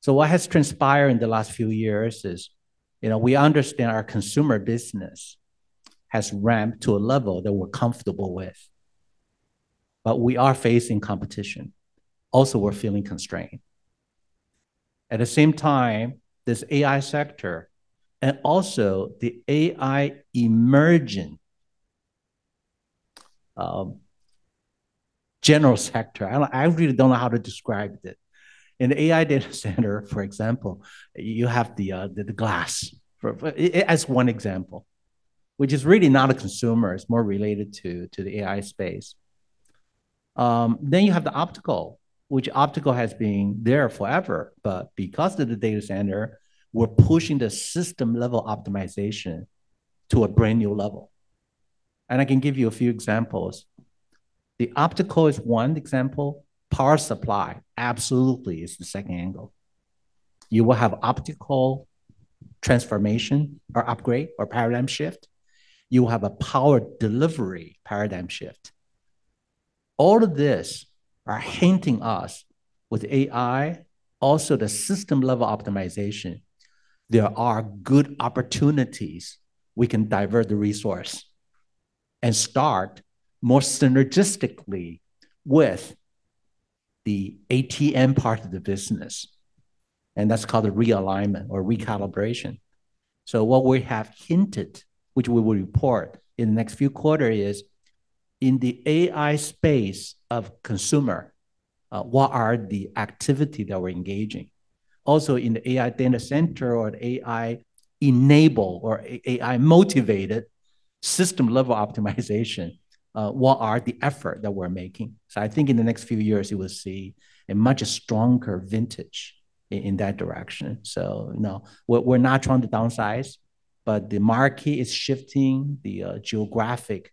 So what has transpired in the last few years is, you know, we understand our consumer business has ramped to a level that we're comfortable with, but we are facing competition. Also, we're feeling constrained. At the same time, this AI sector and also the AI emerging general sector, I really don't know how to describe it. In AI data center, for example, you have the glass, for as one example, which is really not a consumer. It's more related to the AI space. Then you have the optical, which optical has been there forever, but because of the data center, we're pushing the system-level optimization to a brand-new level. I can give you a few examples. The optical is one example. Power supply absolutely is the second angle. You will have optical transformation, or upgrade, or paradigm shift. You will have a power delivery paradigm shift. All of this are hinting us with AI, also the system-level optimization. There are good opportunities we can divert the resource and start more synergistically with the ATM part of the business, and that's called a realignment or recalibration. So what we have hinted, which we will report in the next few quarter, is in the AI space of consumer, what are the activity that we're engaging? Also, in the AI data center or the AI-enabled or AI-motivated system-level optimization, what are the effort that we're making? So I think in the next few years, you will see a much stronger vintage in that direction. So no, we're not trying to downsize, but the market is shifting, the geographic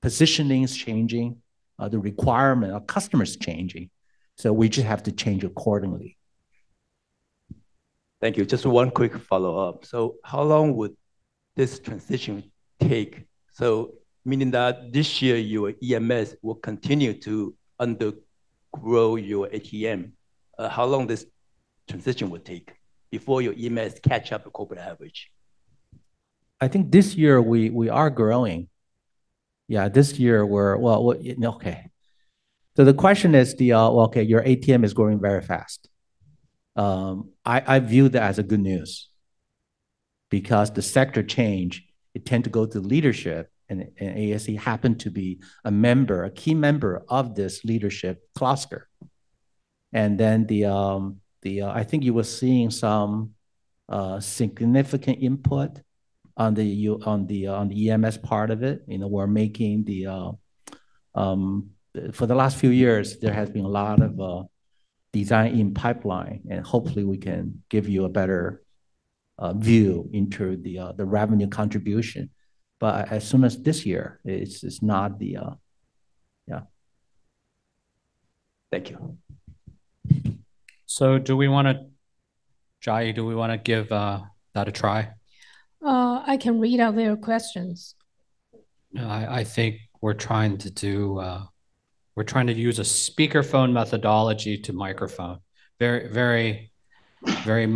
positioning is changing, the requirement of customers is changing, so we just have to change accordingly. Thank you. Just one quick follow-up. So how long would this transition take? So meaning that this year, your EMS will continue to undergrow your ATM. How long this transition will take before your EMS catch up with corporate average? I think this year we are growing. Yeah, this year we're. Well, okay. So the question is the, okay, your ATM is growing very fast. I view that as a good news because the sector change, it tend to go to leadership, and ASE happened to be a member, a key member of this leadership cluster. And then the, I think you were seeing some significant input on the on the EMS part of it. You know, we're making the for the last few years, there has been a lot of design in pipeline, and hopefully, we can give you a better view into the the revenue contribution, but as soon as this year, it's not the. Yeah. Thank you. Do we wanna, Jai, do we wanna give that a try? I can read out their questions. No, I think we're trying to use a speakerphone methodology to microphone. Very, very, very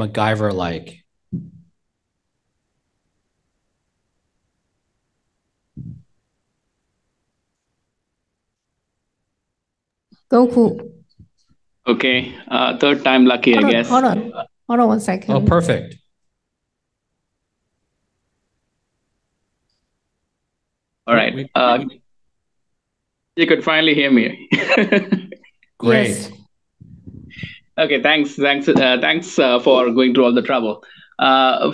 MacGyver-like. Gokul. Okay, third time lucky, I guess. Hold on, hold on one second. Oh, perfect. All right, you can finally hear me? Great. Yes. Okay, thanks for going through all the trouble.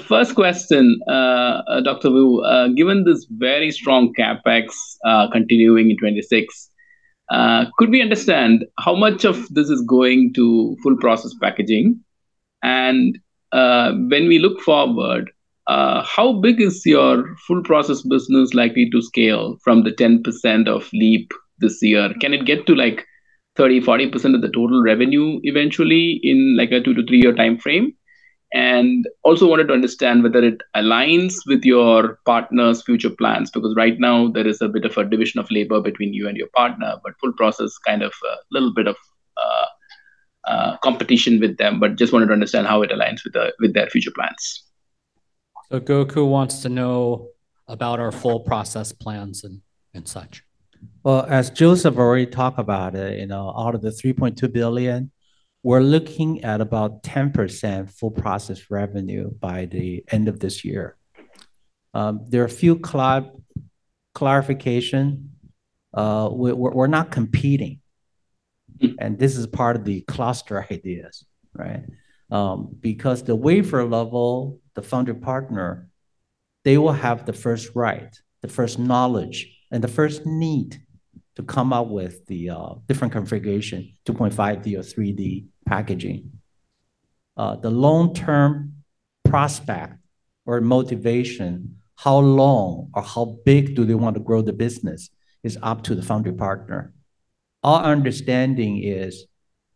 First question, Dr. Wu, given this very strong CapEx continuing in 2026, could we understand how much of this is going to full process packaging? And when we look forward, how big is your full process business likely to scale from the 10% of leap this year? Can it get to, like, 30%, 40% of the total revenue eventually in, like, a two to three-year timeframe? And also wanted to understand whether it aligns with your partner's future plans, because right now there is a bit of a division of labor between you and your partner, but full process, kind of, a little bit of competition with them, but just wanted to understand how it aligns with their future plans. Gokul wants to know about our full process plans and such. Well, as Joseph already talked about it, you know, out of the 3.2 billion, we're looking at about 10% full process revenue by the end of this year. There are a few clarifications. We're not competing, and this is part of the cluster ideas, right? Because the wafer-level foundry partner, they will have the first right, the first knowledge, and the first need to come up with the different configuration, 2.5D or 3D packaging. The long-term prospect or motivation, how long or how big do they want to grow the business, is up to the foundry partner. Our understanding is,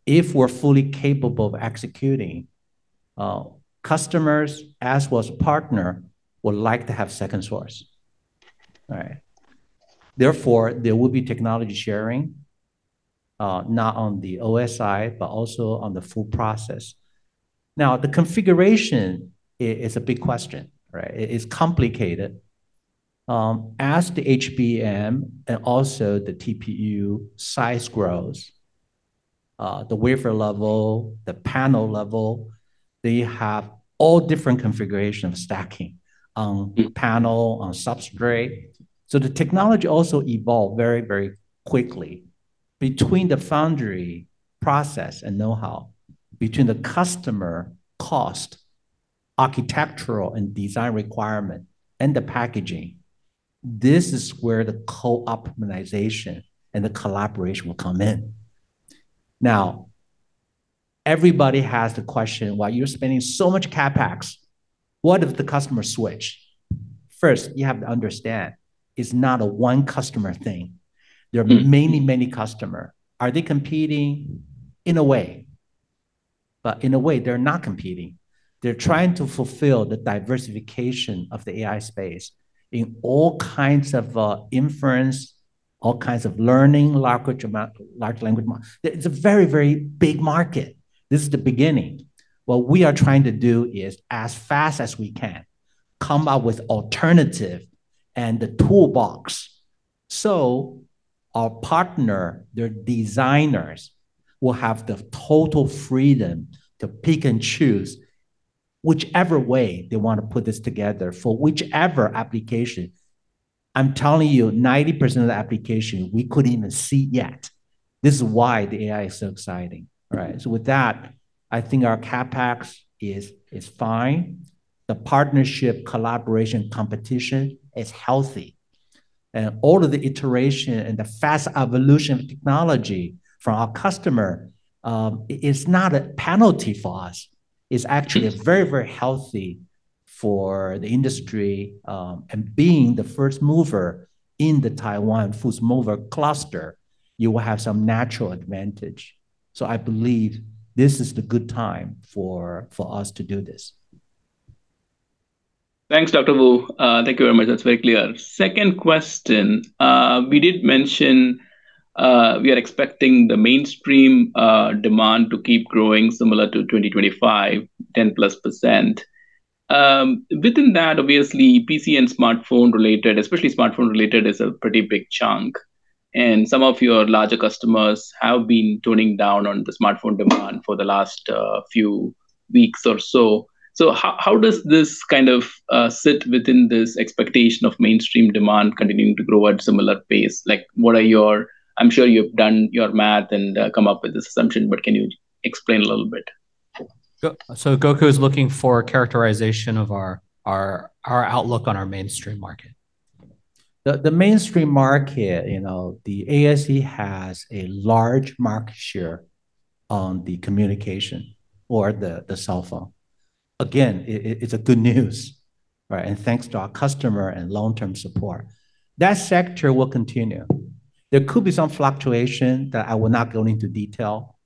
if we're fully capable of executing, customers, as well as partner, would like to have second source. All right. Therefore, there will be technology sharing, not on the OSI, but also on the full process. Now, the configuration is a big question, right? It is complicated. As the HBM and also the TPU size grows, the wafer level, the panel level, they have all different configuration of stacking, panel, on substrate. So the technology also evolve very, very quickly between the foundry process and know-how, between the customer cost, architectural, and design requirement, and the packaging. This is where the co-optimization and the collaboration will come in. Now, everybody has the question, why you're spending so much CapEx? What if the customer switch? First, you have to understand, it's not a one customer thing. There are many, many customer. Are they competing? In a way, but in a way, they're not competing. They're trying to fulfill the diversification of the AI space in all kinds of inference, all kinds of learning, large language models. It's a very, very big market. This is the beginning. What we are trying to do is, as fast as we can, come up with alternative and the toolbox, so our partner, their designers, will have the total freedom to pick and choose whichever way they want to put this together for whichever application. I'm telling you, 90% of the application we couldn't even see yet. This is why the AI is so exciting, right? So with that, I think our CapEx is fine. The partnership, collaboration, competition is healthy, and all of the iteration and the fast evolution of technology from our customer is not a penalty for us, it's actually very, very healthy for the industry. And being the first mover in the Taiwan first mover cluster, you will have some natural advantage. So I believe this is the good time for us to do this. Thanks, Dr. Wu. Thank you very much. That's very clear. Second question. We did mention, we are expecting the mainstream demand to keep growing similar to 2025, 10%+. Within that, obviously, PC and smartphone related, especially smartphone related, is a pretty big chunk, and some of your larger customers have been toning down on the smartphone demand for the last few weeks or so. So how, how does this kind of sit within this expectation of mainstream demand continuing to grow at similar pace? Like, what are your I'm sure you've done your math and come up with this assumption, but can you explain a little bit? So, Gokul is looking for characterization of our outlook on our mainstream market. The mainstream market, you know, ASE has a large market share on the communication or the cell phone. Again, it's a good news, right? And thanks to our customer and long-term support. That sector will continue. There could be some fluctuation that I will not go into detail,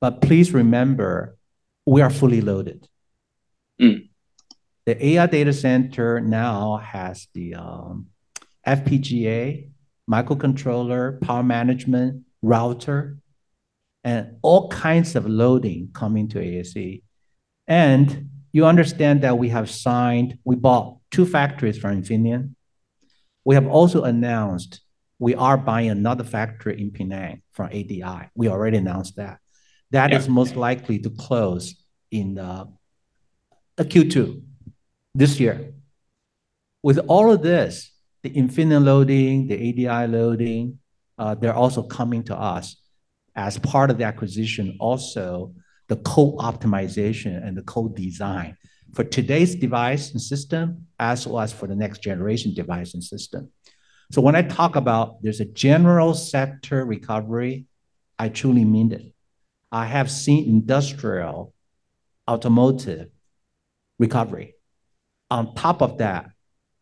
but please remember, we are fully loaded. The AI data center now has the FPGA, microcontroller, power management, router, and all kinds of loading coming to ASE. And you understand that we have signed. We bought two factories from Infineon. We have also announced we are buying another factory in Penang from ADI. We already announced that. Yeah. That is most likely to close in Q2 this year. With all of this, the Infineon loading, the ADI loading, they're also coming to us as part of the acquisition, also the co-optimization and the co-design for today's device and system, as well as for the next generation device and system. So when I talk about there's a general sector recovery, I truly mean it. I have seen industrial automotive recovery. On top of that,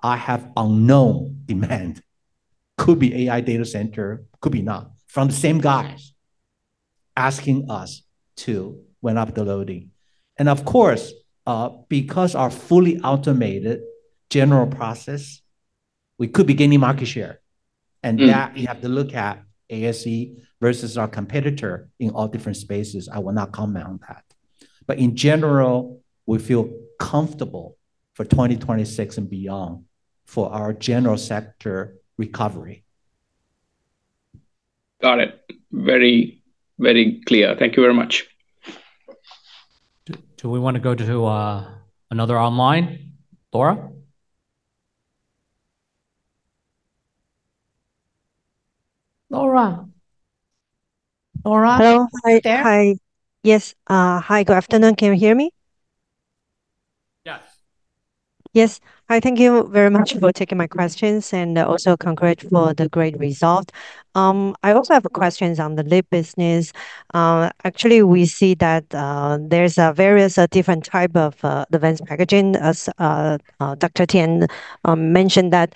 I have unknown demand. Could be AI data center, could be not, from the same guys- Yeah asking us to ramp up the loading. And of course, because our fully automated general process, we could be gaining market share. Mm. That you have to look at ASE versus our competitor in all different spaces. I will not comment on that. In general, we feel comfortable for 2026 and beyond for our general sector recovery. Got it. Very, very clear. Thank you very much. Do we wanna go to another online, Laura? Laura? Laura- Hello. - Are you there? Hi. Yes. Hi, good afternoon. Can you hear me? Yes. Yes. Hi, thank you very much for taking my questions, and also congrats for the great result. I also have questions on the LEAP business. Actually, we see that there's various different type of advanced packaging, as Dr. Tien mentioned that.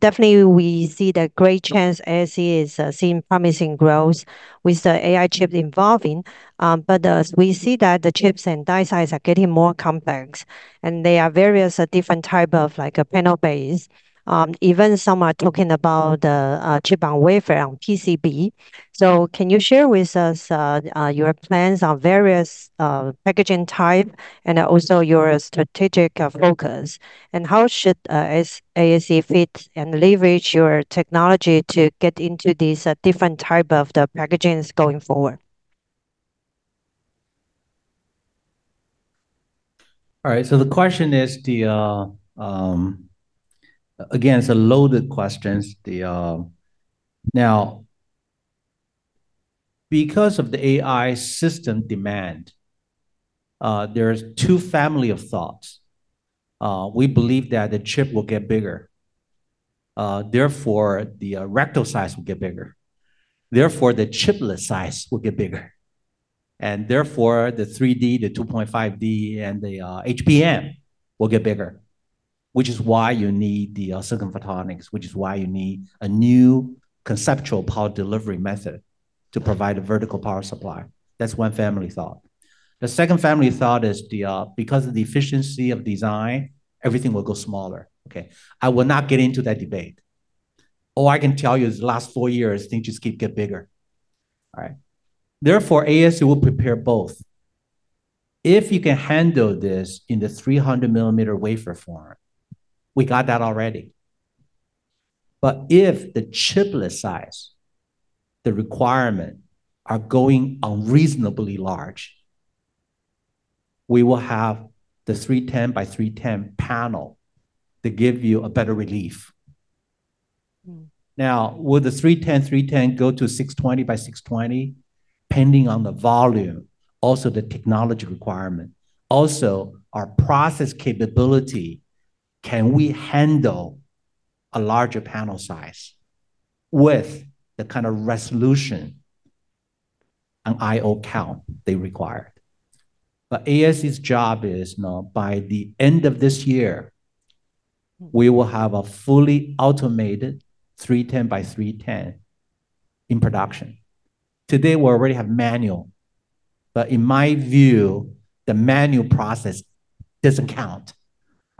Definitely we see the great chance ASE is seeing promising growth with the AI chip involving. But as we see that the chips and die size are getting more complex, and they are various different type of like a panel-based. Even some are talking about chip on wafer on PCB. So can you share with us your plans on various packaging type, and also your strategic focus? How should ASE fit and leverage your technology to get into these different type of the packagings going forward? All right, so the question is. Again, it's a loaded question. Now, because of the AI system demand, there's two family of thoughts. We believe that the chip will get bigger, therefore, the reticle size will get bigger. Therefore, the chiplet size will get bigger, and therefore, the 3D, the 2.5D, and the HBM will get bigger, which is why you need the silicon photonics, which is why you need a new conceptual power delivery method to provide a vertical power supply. That's one family thought. The second family thought is the, because of the efficiency of design, everything will go smaller. Okay, I will not get into that debate. All I can tell you is the last four years, things just keep get bigger. All right? Therefore, ASE will prepare both. If you can handle this in the 300 millimeter wafer form, we got that already. But if the chiplet size, the requirement, are going unreasonably large, we will have the 310 by 310 panel to give you a better relief. Mm. Now, will the 300 by 300 go to 620 by 620? Depending on the volume, also the technology requirement, also our process capability, can we handle a larger panel size with the kind of resolution and I/O count they require? But ASE's job is now, by the end of this year, we will have a fully automated 300 by 300 in production. Today, we already have manual, but in my view, the manual process doesn't count.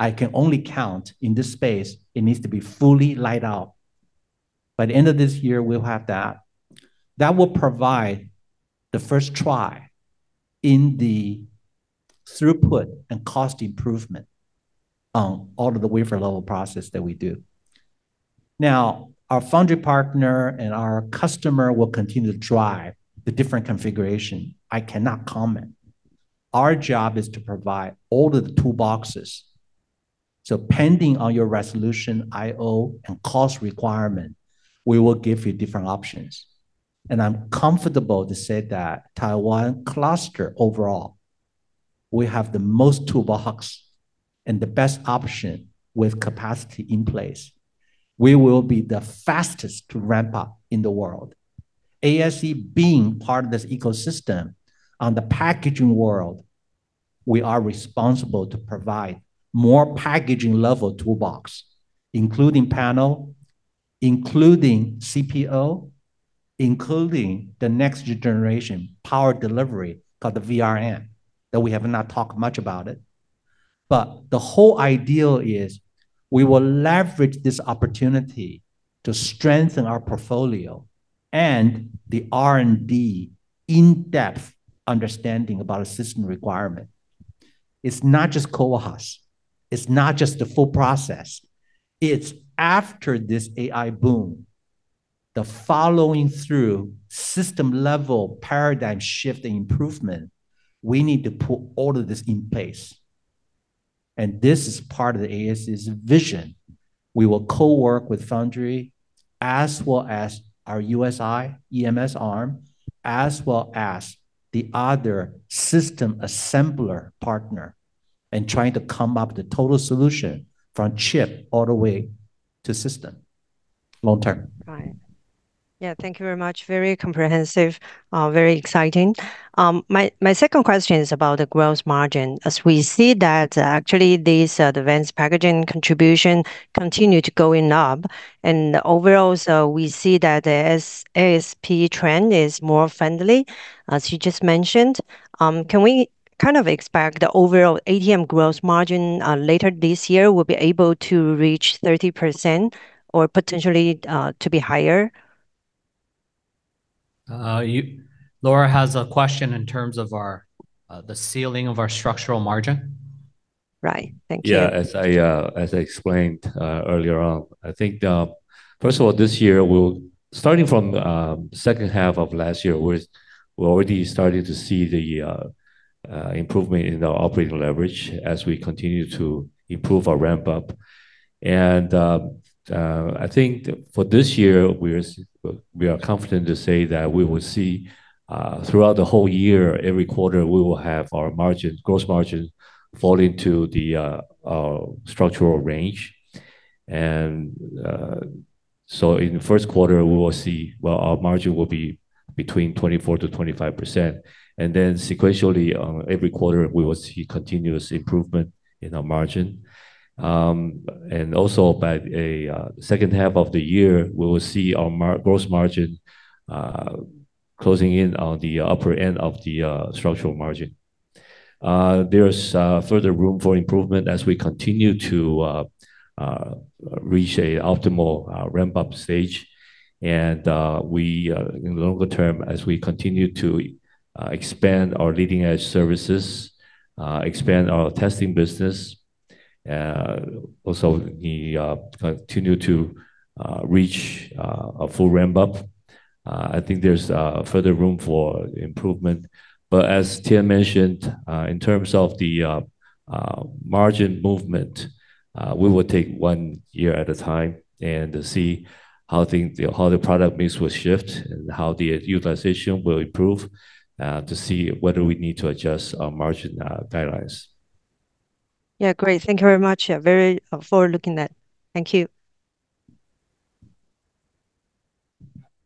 I can only count in this space, it needs to be fully laid out. By the end of this year, we'll have that. That will provide the first try in the throughput and cost improvement on all of the wafer level process that we do. Now, our foundry partner and our customer will continue to drive the different configuration. I cannot comment. Our job is to provide all of the toolboxes. So depending on your resolution, I/O, and cost requirement, we will give you different options. And I'm comfortable to say that Taiwan cluster overall, we have the most toolbox and the best option with capacity in place. We will be the fastest to ramp up in the world. ASE being part of this ecosystem, on the packaging world, we are responsible to provide more packaging level toolbox, including panel, including CPO, including the next generation power delivery, called the VRM, that we have not talked much about it. But the whole idea is we will leverage this opportunity to strengthen our portfolio and the R&D in-depth understanding about a system requirement. It's not just CoWoS, it's not just the full process, it's after this AI boom, the following through system-level paradigm shift and improvement, we need to put all of this in place. This is part of the ASE's vision. We will co-work with foundry, as well as our USI, EMS arm, as well as the other system assembler partner, and trying to come up with a total solution from chip all the way to system, long term. Right. Yeah, thank you very much. Very comprehensive, very exciting. My, my second question is about the gross margin. As we see that, actually these, advanced packaging contribution continue to going up, and overall, so we see that the AS- ASP trend is more friendly, as you just mentioned. Can we kind of expect the overall ATM gross margin, later this year will be able to reach 30% or potentially, to be higher? Laura has a question in terms of our, the ceiling of our structural margin? Right. Thank you. Yeah, as I, as I explained, earlier on, I think, first of all, this year, we'll—starting from, second half of last year, we're, we're already starting to see the, improvement in our operating leverage as we continue to improve our ramp-up. And, I think for this year, we're, we are confident to say that we will see, throughout the whole year, every quarter, we will have our margins, gross margins fall into the, our structural range. And, so in the first quarter, we will see. Well, our margin will be between 24%-25%, and then sequentially, every quarter, we will see continuous improvement in our margin. And also by the second half of the year, we will see our margin gross margin closing in on the upper end of the structural margin. There is further room for improvement as we continue to reach an optimal ramp-up stage. And, in the longer term, as we continue to expand our leading-edge services, expand our testing business, also we continue to reach a full ramp-up. I think there's further room for improvement. But as Tien mentioned, in terms of the margin movement, we will take one year at a time and see how things, how the product mix will shift, and how the utilization will improve, to see whether we need to adjust our margin guidelines. Yeah, great. Thank you very much. Yeah, very forward-looking that. Thank you.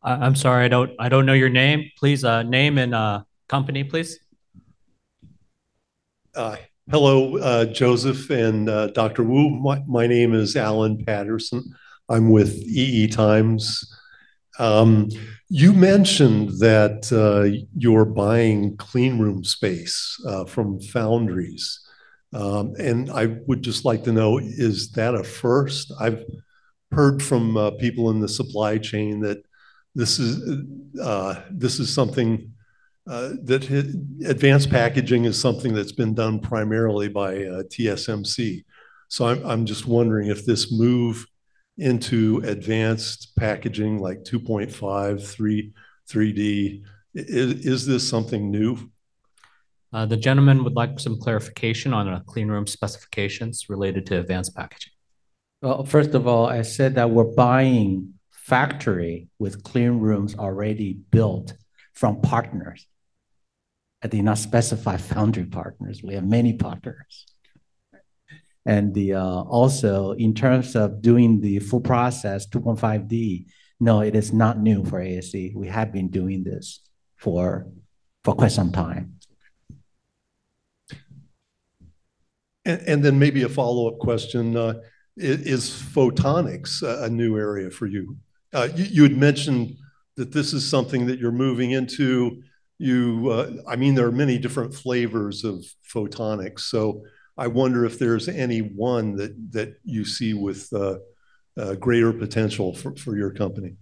I'm sorry, I don't know your name. Please, name and company, please. Hello, Joseph and Dr. Wu. My name is Alan Patterson. I'm with EE Times. You mentioned that you're buying clean room space from foundries. And I would just like to know, is that a first? I've heard from people in the supply chain that this is something that advanced packaging is something that's been done primarily by TSMC. So I'm just wondering if this move into advanced packaging, like 2.5D, 3D, is this something new? The gentleman would like some clarification on clean room specifications related to advanced packaging. Well, first of all, I said that we're buying factory with clean rooms already built from partners. I did not specify foundry partners. We have many partners. And also, in terms of doing the full process, 2.5D, no, it is not new for ASE. We have been doing this for quite some time. Then maybe a follow-up question: is photonics a new area for you? You had mentioned that this is something that you're moving into. You, I mean, there are many different flavors of photonics, so I wonder if there's any one that you see with greater potential for your company.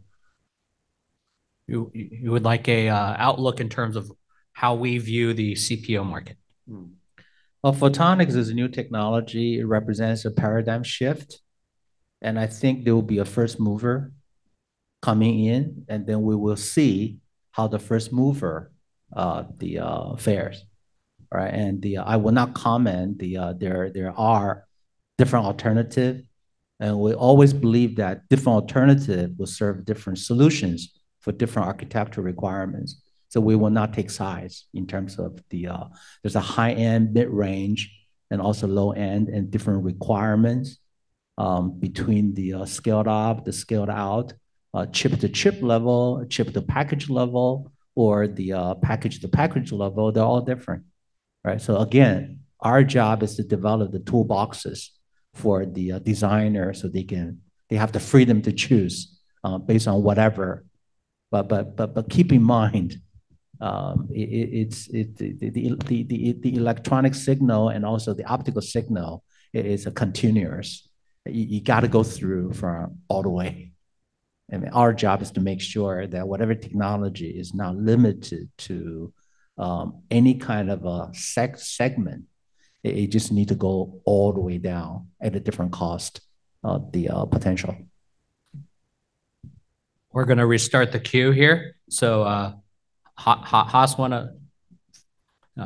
You would like an outlook in terms of how we view the CPO market? Mm-hmm. Well, photonics is a new technology. It represents a paradigm shift, and I think there will be a first mover coming in, and then we will see how the first mover fares, right? And I will not comment. There are different alternatives, and we always believe that different alternatives will serve different solutions for different architectural requirements. So we will not take sides in terms of the... There's a high-end, mid-range, and also low-end, and different requirements between the scaled-up, the scaled-out, chip-to-chip level, chip-to-package level, or the package-to-package level. They're all different. Right? So again, our job is to develop the toolboxes for the designer, so they have the freedom to choose based on whatever. But keep in mind, it's the electronic signal and also the optical signal; it is continuous. You got to go through from all the way. And our job is to make sure that whatever technology is not limited to any kind of a segment. It just need to go all the way down at a different cost of the potential. We're gonna restart the queue here. So, Haas, wanna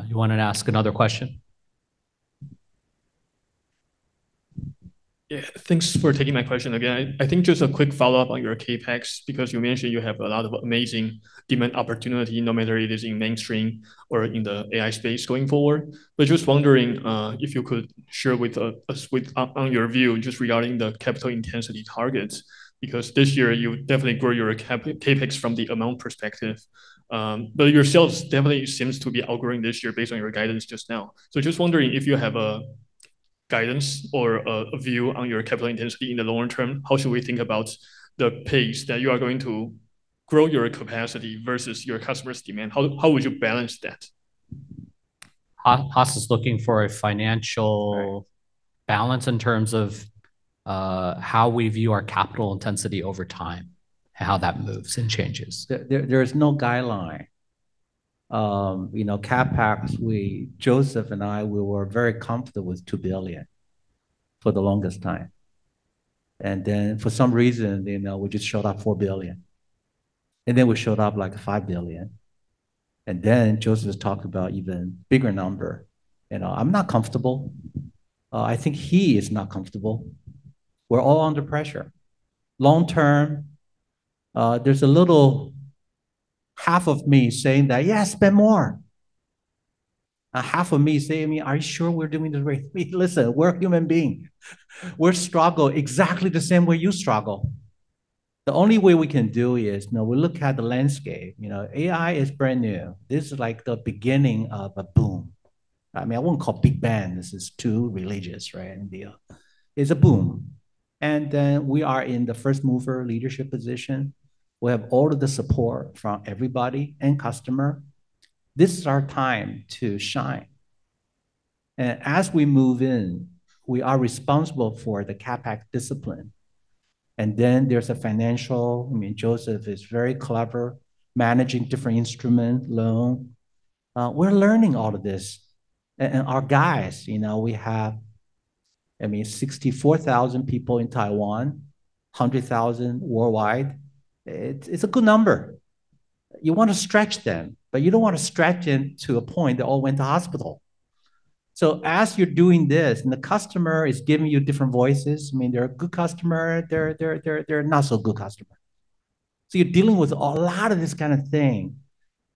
you wanna ask another question? Yeah, thanks for taking my question again. I think just a quick follow-up on your CapEx, because you mentioned you have a lot of amazing demand opportunity, no matter it is in mainstream or in the AI space going forward. But just wondering, if you could share with us, on your view, just regarding the capital intensity targets, because this year you definitely grow your CapEx from the amount perspective. But yourselves definitely seems to be outgrowing this year based on your guidance just now. So just wondering if you have a guidance or a view on your capital intensity in the long term, how should we think about the pace that you are going to grow your capacity versus your customers' demand? How would you balance that? Haas is looking for a financial- Right balance in terms of how we view our capital intensity over time, and how that moves and changes. There is no guideline. You know, CapEx, we, Joseph and I, we were very comfortable with 2 billion for the longest time. And then for some reason, you know, we just showed up 4 billion, and then we showed up, like, 5 billion. And then Joseph talked about even bigger number. You know, I'm not comfortable. I think he is not comfortable. We're all under pressure. Long term, there's a little half of me saying that, "Yeah, spend more," and half of me saying, "Are you sure we're doing the right thing?" Listen, we're human being. We're struggle exactly the same way you struggle. The only way we can do is, you know, we look at the landscape. You know, AI is brand new. This is like the beginning of a boom. I mean, I won't call Big Bang, this is too religious, right? And, it's a boom, and then we are in the first mover leadership position. We have all of the support from everybody and customer. This is our time to shine, and as we move in, we are responsible for the CapEx discipline. And then there's a financial. I mean, Joseph is very clever, managing different instrument, loan. We're learning all of this. And our guys, you know, we have, I mean, 64,000 people in Taiwan, 100,000 worldwide. It's, it's a good number. You want to stretch them, but you don't want to stretch them to a point they all went to hospital. So as you're doing this, and the customer is giving you different voices, I mean, they're a good customer, they're a not-so-good customer. So you're dealing with a lot of this kind of thing.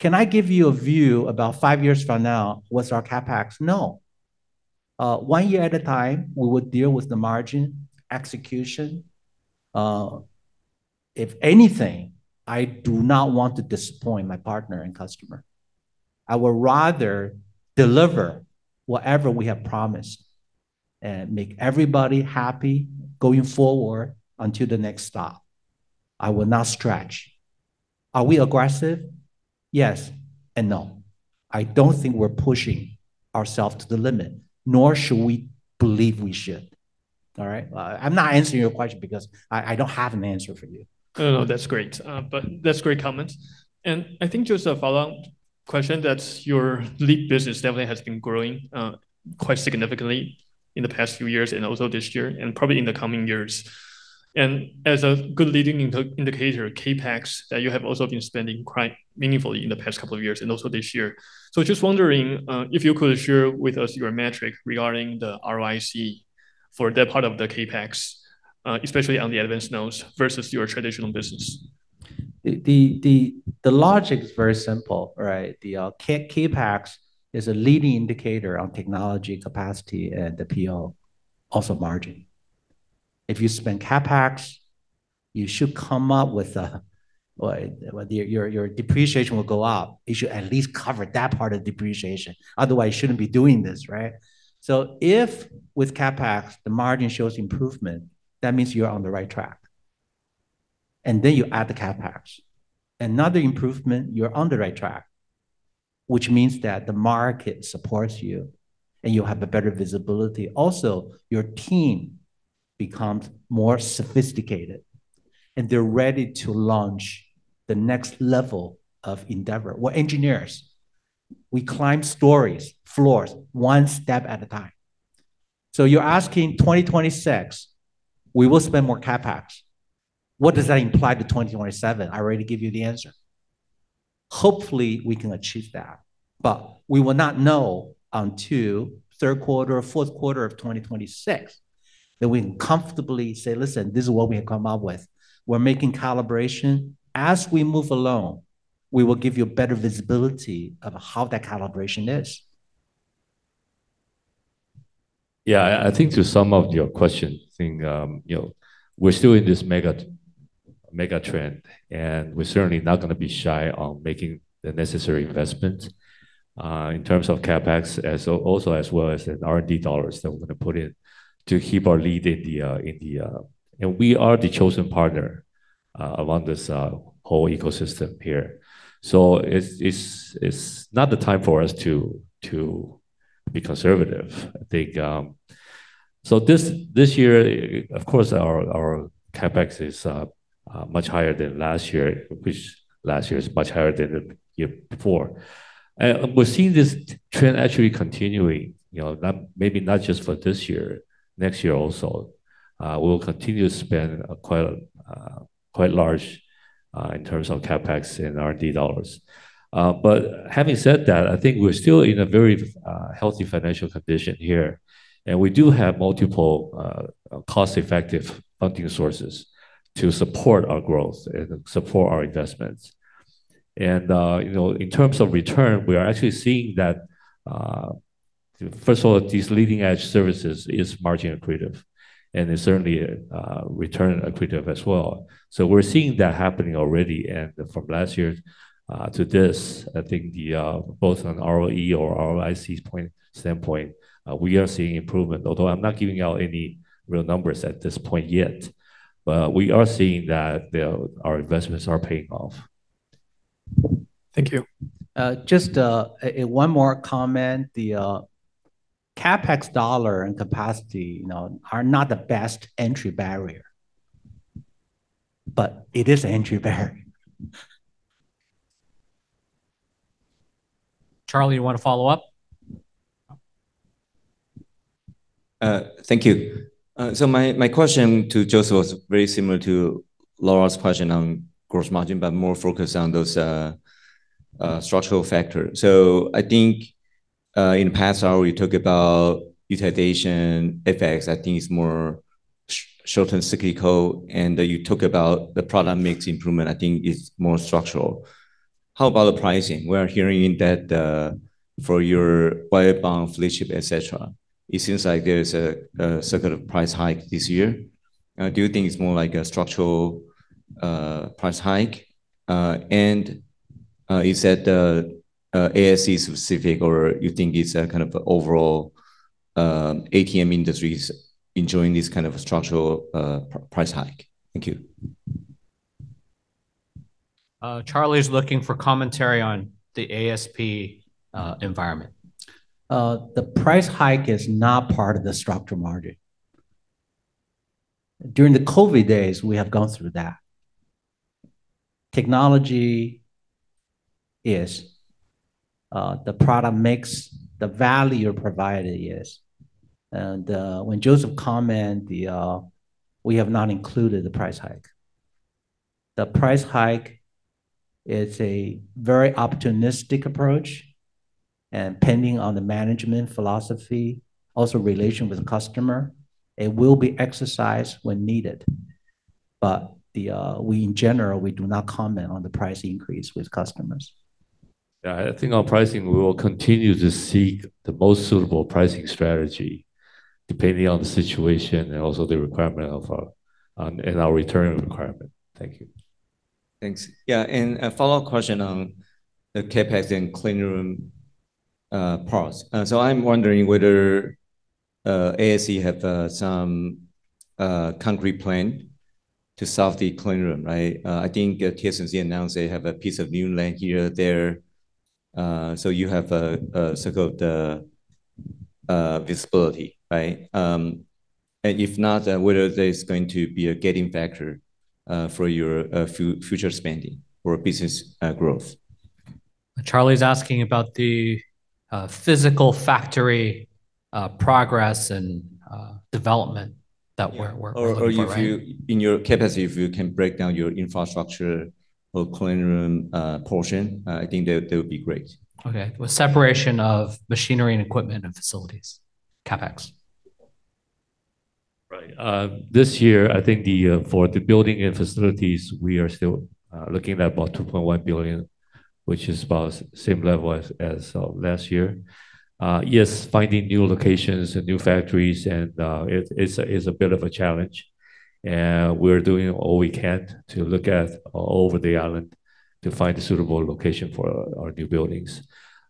Can I give you a view about five years from now, what's our CapEx? No. One year at a time, we would deal with the margin, execution. If anything, I do not want to disappoint my partner and customer. I would rather deliver whatever we have promised and make everybody happy going forward until the next stop. I will not stretch. Are we aggressive? Yes and no. I don't think we're pushing ourself to the limit, nor should we believe we should. All right? I'm not answering your question because I, I don't have an answer for you. No, no, that's great. But that's great comment. And I think just a follow-up question, that's your LEAP business definitely has been growing quite significantly in the past few years and also this year, and probably in the coming years. And as a good leading indicator, CapEx, that you have also been spending quite meaningfully in the past couple of years and also this year. So just wondering if you could share with us your metric regarding the ROIC for that part of the CapEx, especially on the advanced nodes versus your traditional business. The logic is very simple, right? CapEx is a leading indicator on technology capacity and the PO, also margin. If you spend CapEx, you should come up with a well, your depreciation will go up. It should at least cover that part of depreciation, otherwise, you shouldn't be doing this, right? So if with CapEx, the margin shows improvement, that means you are on the right track, and then you add the CapEx. Another improvement, you're on the right track, which means that the market supports you, and you'll have a better visibility. Also, your team becomes more sophisticated, and they're ready to launch the next level of endeavor. We're engineers. We climb stories, floors, one step at a time. So you're asking 2026, we will spend more CapEx. What does that imply to 2027? I already give you the answer. Hopefully, we can achieve that, but we will not know until third quarter or fourth quarter of 2026, that we can comfortably say, "Listen, this is what we have come up with." We're making calibration. As we move along, we will give you better visibility of how that calibration is. Yeah, I think to sum up your question, I think, you know, we're still in this mega, mega trend, and we're certainly not gonna be shy on making the necessary investment in terms of CapEx, as well as in R&D dollars that we're gonna put in to keep our lead in the in the. And we are the chosen partner among this whole ecosystem here. So it's not the time for us to be conservative. I think, so this year, of course, our CapEx is much higher than last year, which last year is much higher than the year before. And we're seeing this trend actually continuing, you know, maybe not just for this year, next year also. We'll continue to spend quite a, quite large in terms of CapEx and R&D dollars. But having said that, I think we're still in a very healthy financial condition here, and we do have multiple cost-effective funding sources to support our growth and support our investments. And, you know, in terms of return, we are actually seeing that first of all, these leading-edge services is margin accretive, and it's certainly return accretive as well. So we're seeing that happening already, and from last year to this, I think the both on ROE or ROIC point-- standpoint we are seeing improvement. Although I'm not giving out any real numbers at this point yet, but we are seeing that the our investments are paying off. Thank you. Just, one more comment. The CapEx dollar and capacity, you know, are not the best entry barrier, but it is an entry barrier. Charlie, you want to follow up? Thank you. So my, my question to Joseph was very similar to Laura's question on gross margin, but more focused on those structural factors. So I think, in the past hour, we talked about utilization effects. I think it's more short and cyclical, and you talk about the product mix improvement, I think is more structural. How about the pricing? We are hearing that, for your wire bond, flagship, et cetera, it seems like there is a circuit of price hike this year. Do you think it's more like a structural price hike? And is that ASE specific, or you think it's a kind of overall ATM industries enjoying this kind of structural price hike? Thank you. Charlie is looking for commentary on the ASP environment. The price hike is not part of the structural margin. During the COVID days, we have gone through that. Technology is, the product mix, the value provided is, and, when Joseph comment the, we have not included the price hike. The price hike is a very opportunistic approach, and pending on the management philosophy, also relation with the customer, it will be exercised when needed. But the, we in general, we do not comment on the price increase with customers. Yeah, I think our pricing, we will continue to seek the most suitable pricing strategy, depending on the situation and also the requirement of our, and our return requirement. Thank you. Thanks. Yeah, and a follow-up question on the CapEx and clean room products. So I'm wondering whether ASE have some concrete plan to solve the clean room, right? I think TSMC announced they have a piece of new land here, there, so you have a circle of the visibility, right? And if not, then whether there's going to be a getting factor for your future spending or business growth. Charlie's asking about the physical factory progress and development that we're, we're- Or if you, in your capacity, if you can break down your infrastructure or clean room portion, I think that would be great. Okay. With separation of machinery and equipment and facilities, CapEx. Right. This year, I think for the building and facilities, we are still looking at about 2.1 billion, which is about same level as last year. Yes, finding new locations and new factories, and it's a bit of a challenge, and we're doing all we can to look at all over the island to find a suitable location for our new buildings.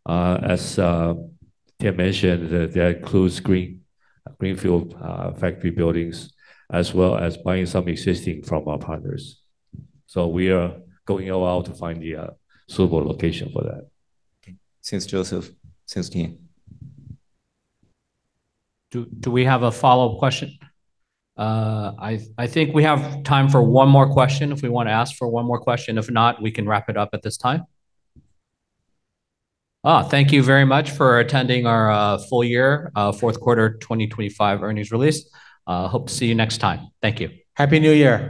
As Tien mentioned, that includes greenfield factory buildings, as well as buying some existing from our partners. So we are going all out to find the suitable location for that. Thanks, Joseph. Thanks, team. Do we have a follow-up question? I think we have time for one more question, if we want to ask for one more question. If not, we can wrap it up at this time. Thank you very much for attending our full year fourth quarter 2025 earnings release. Hope to see you next time. Thank you. Happy New Year!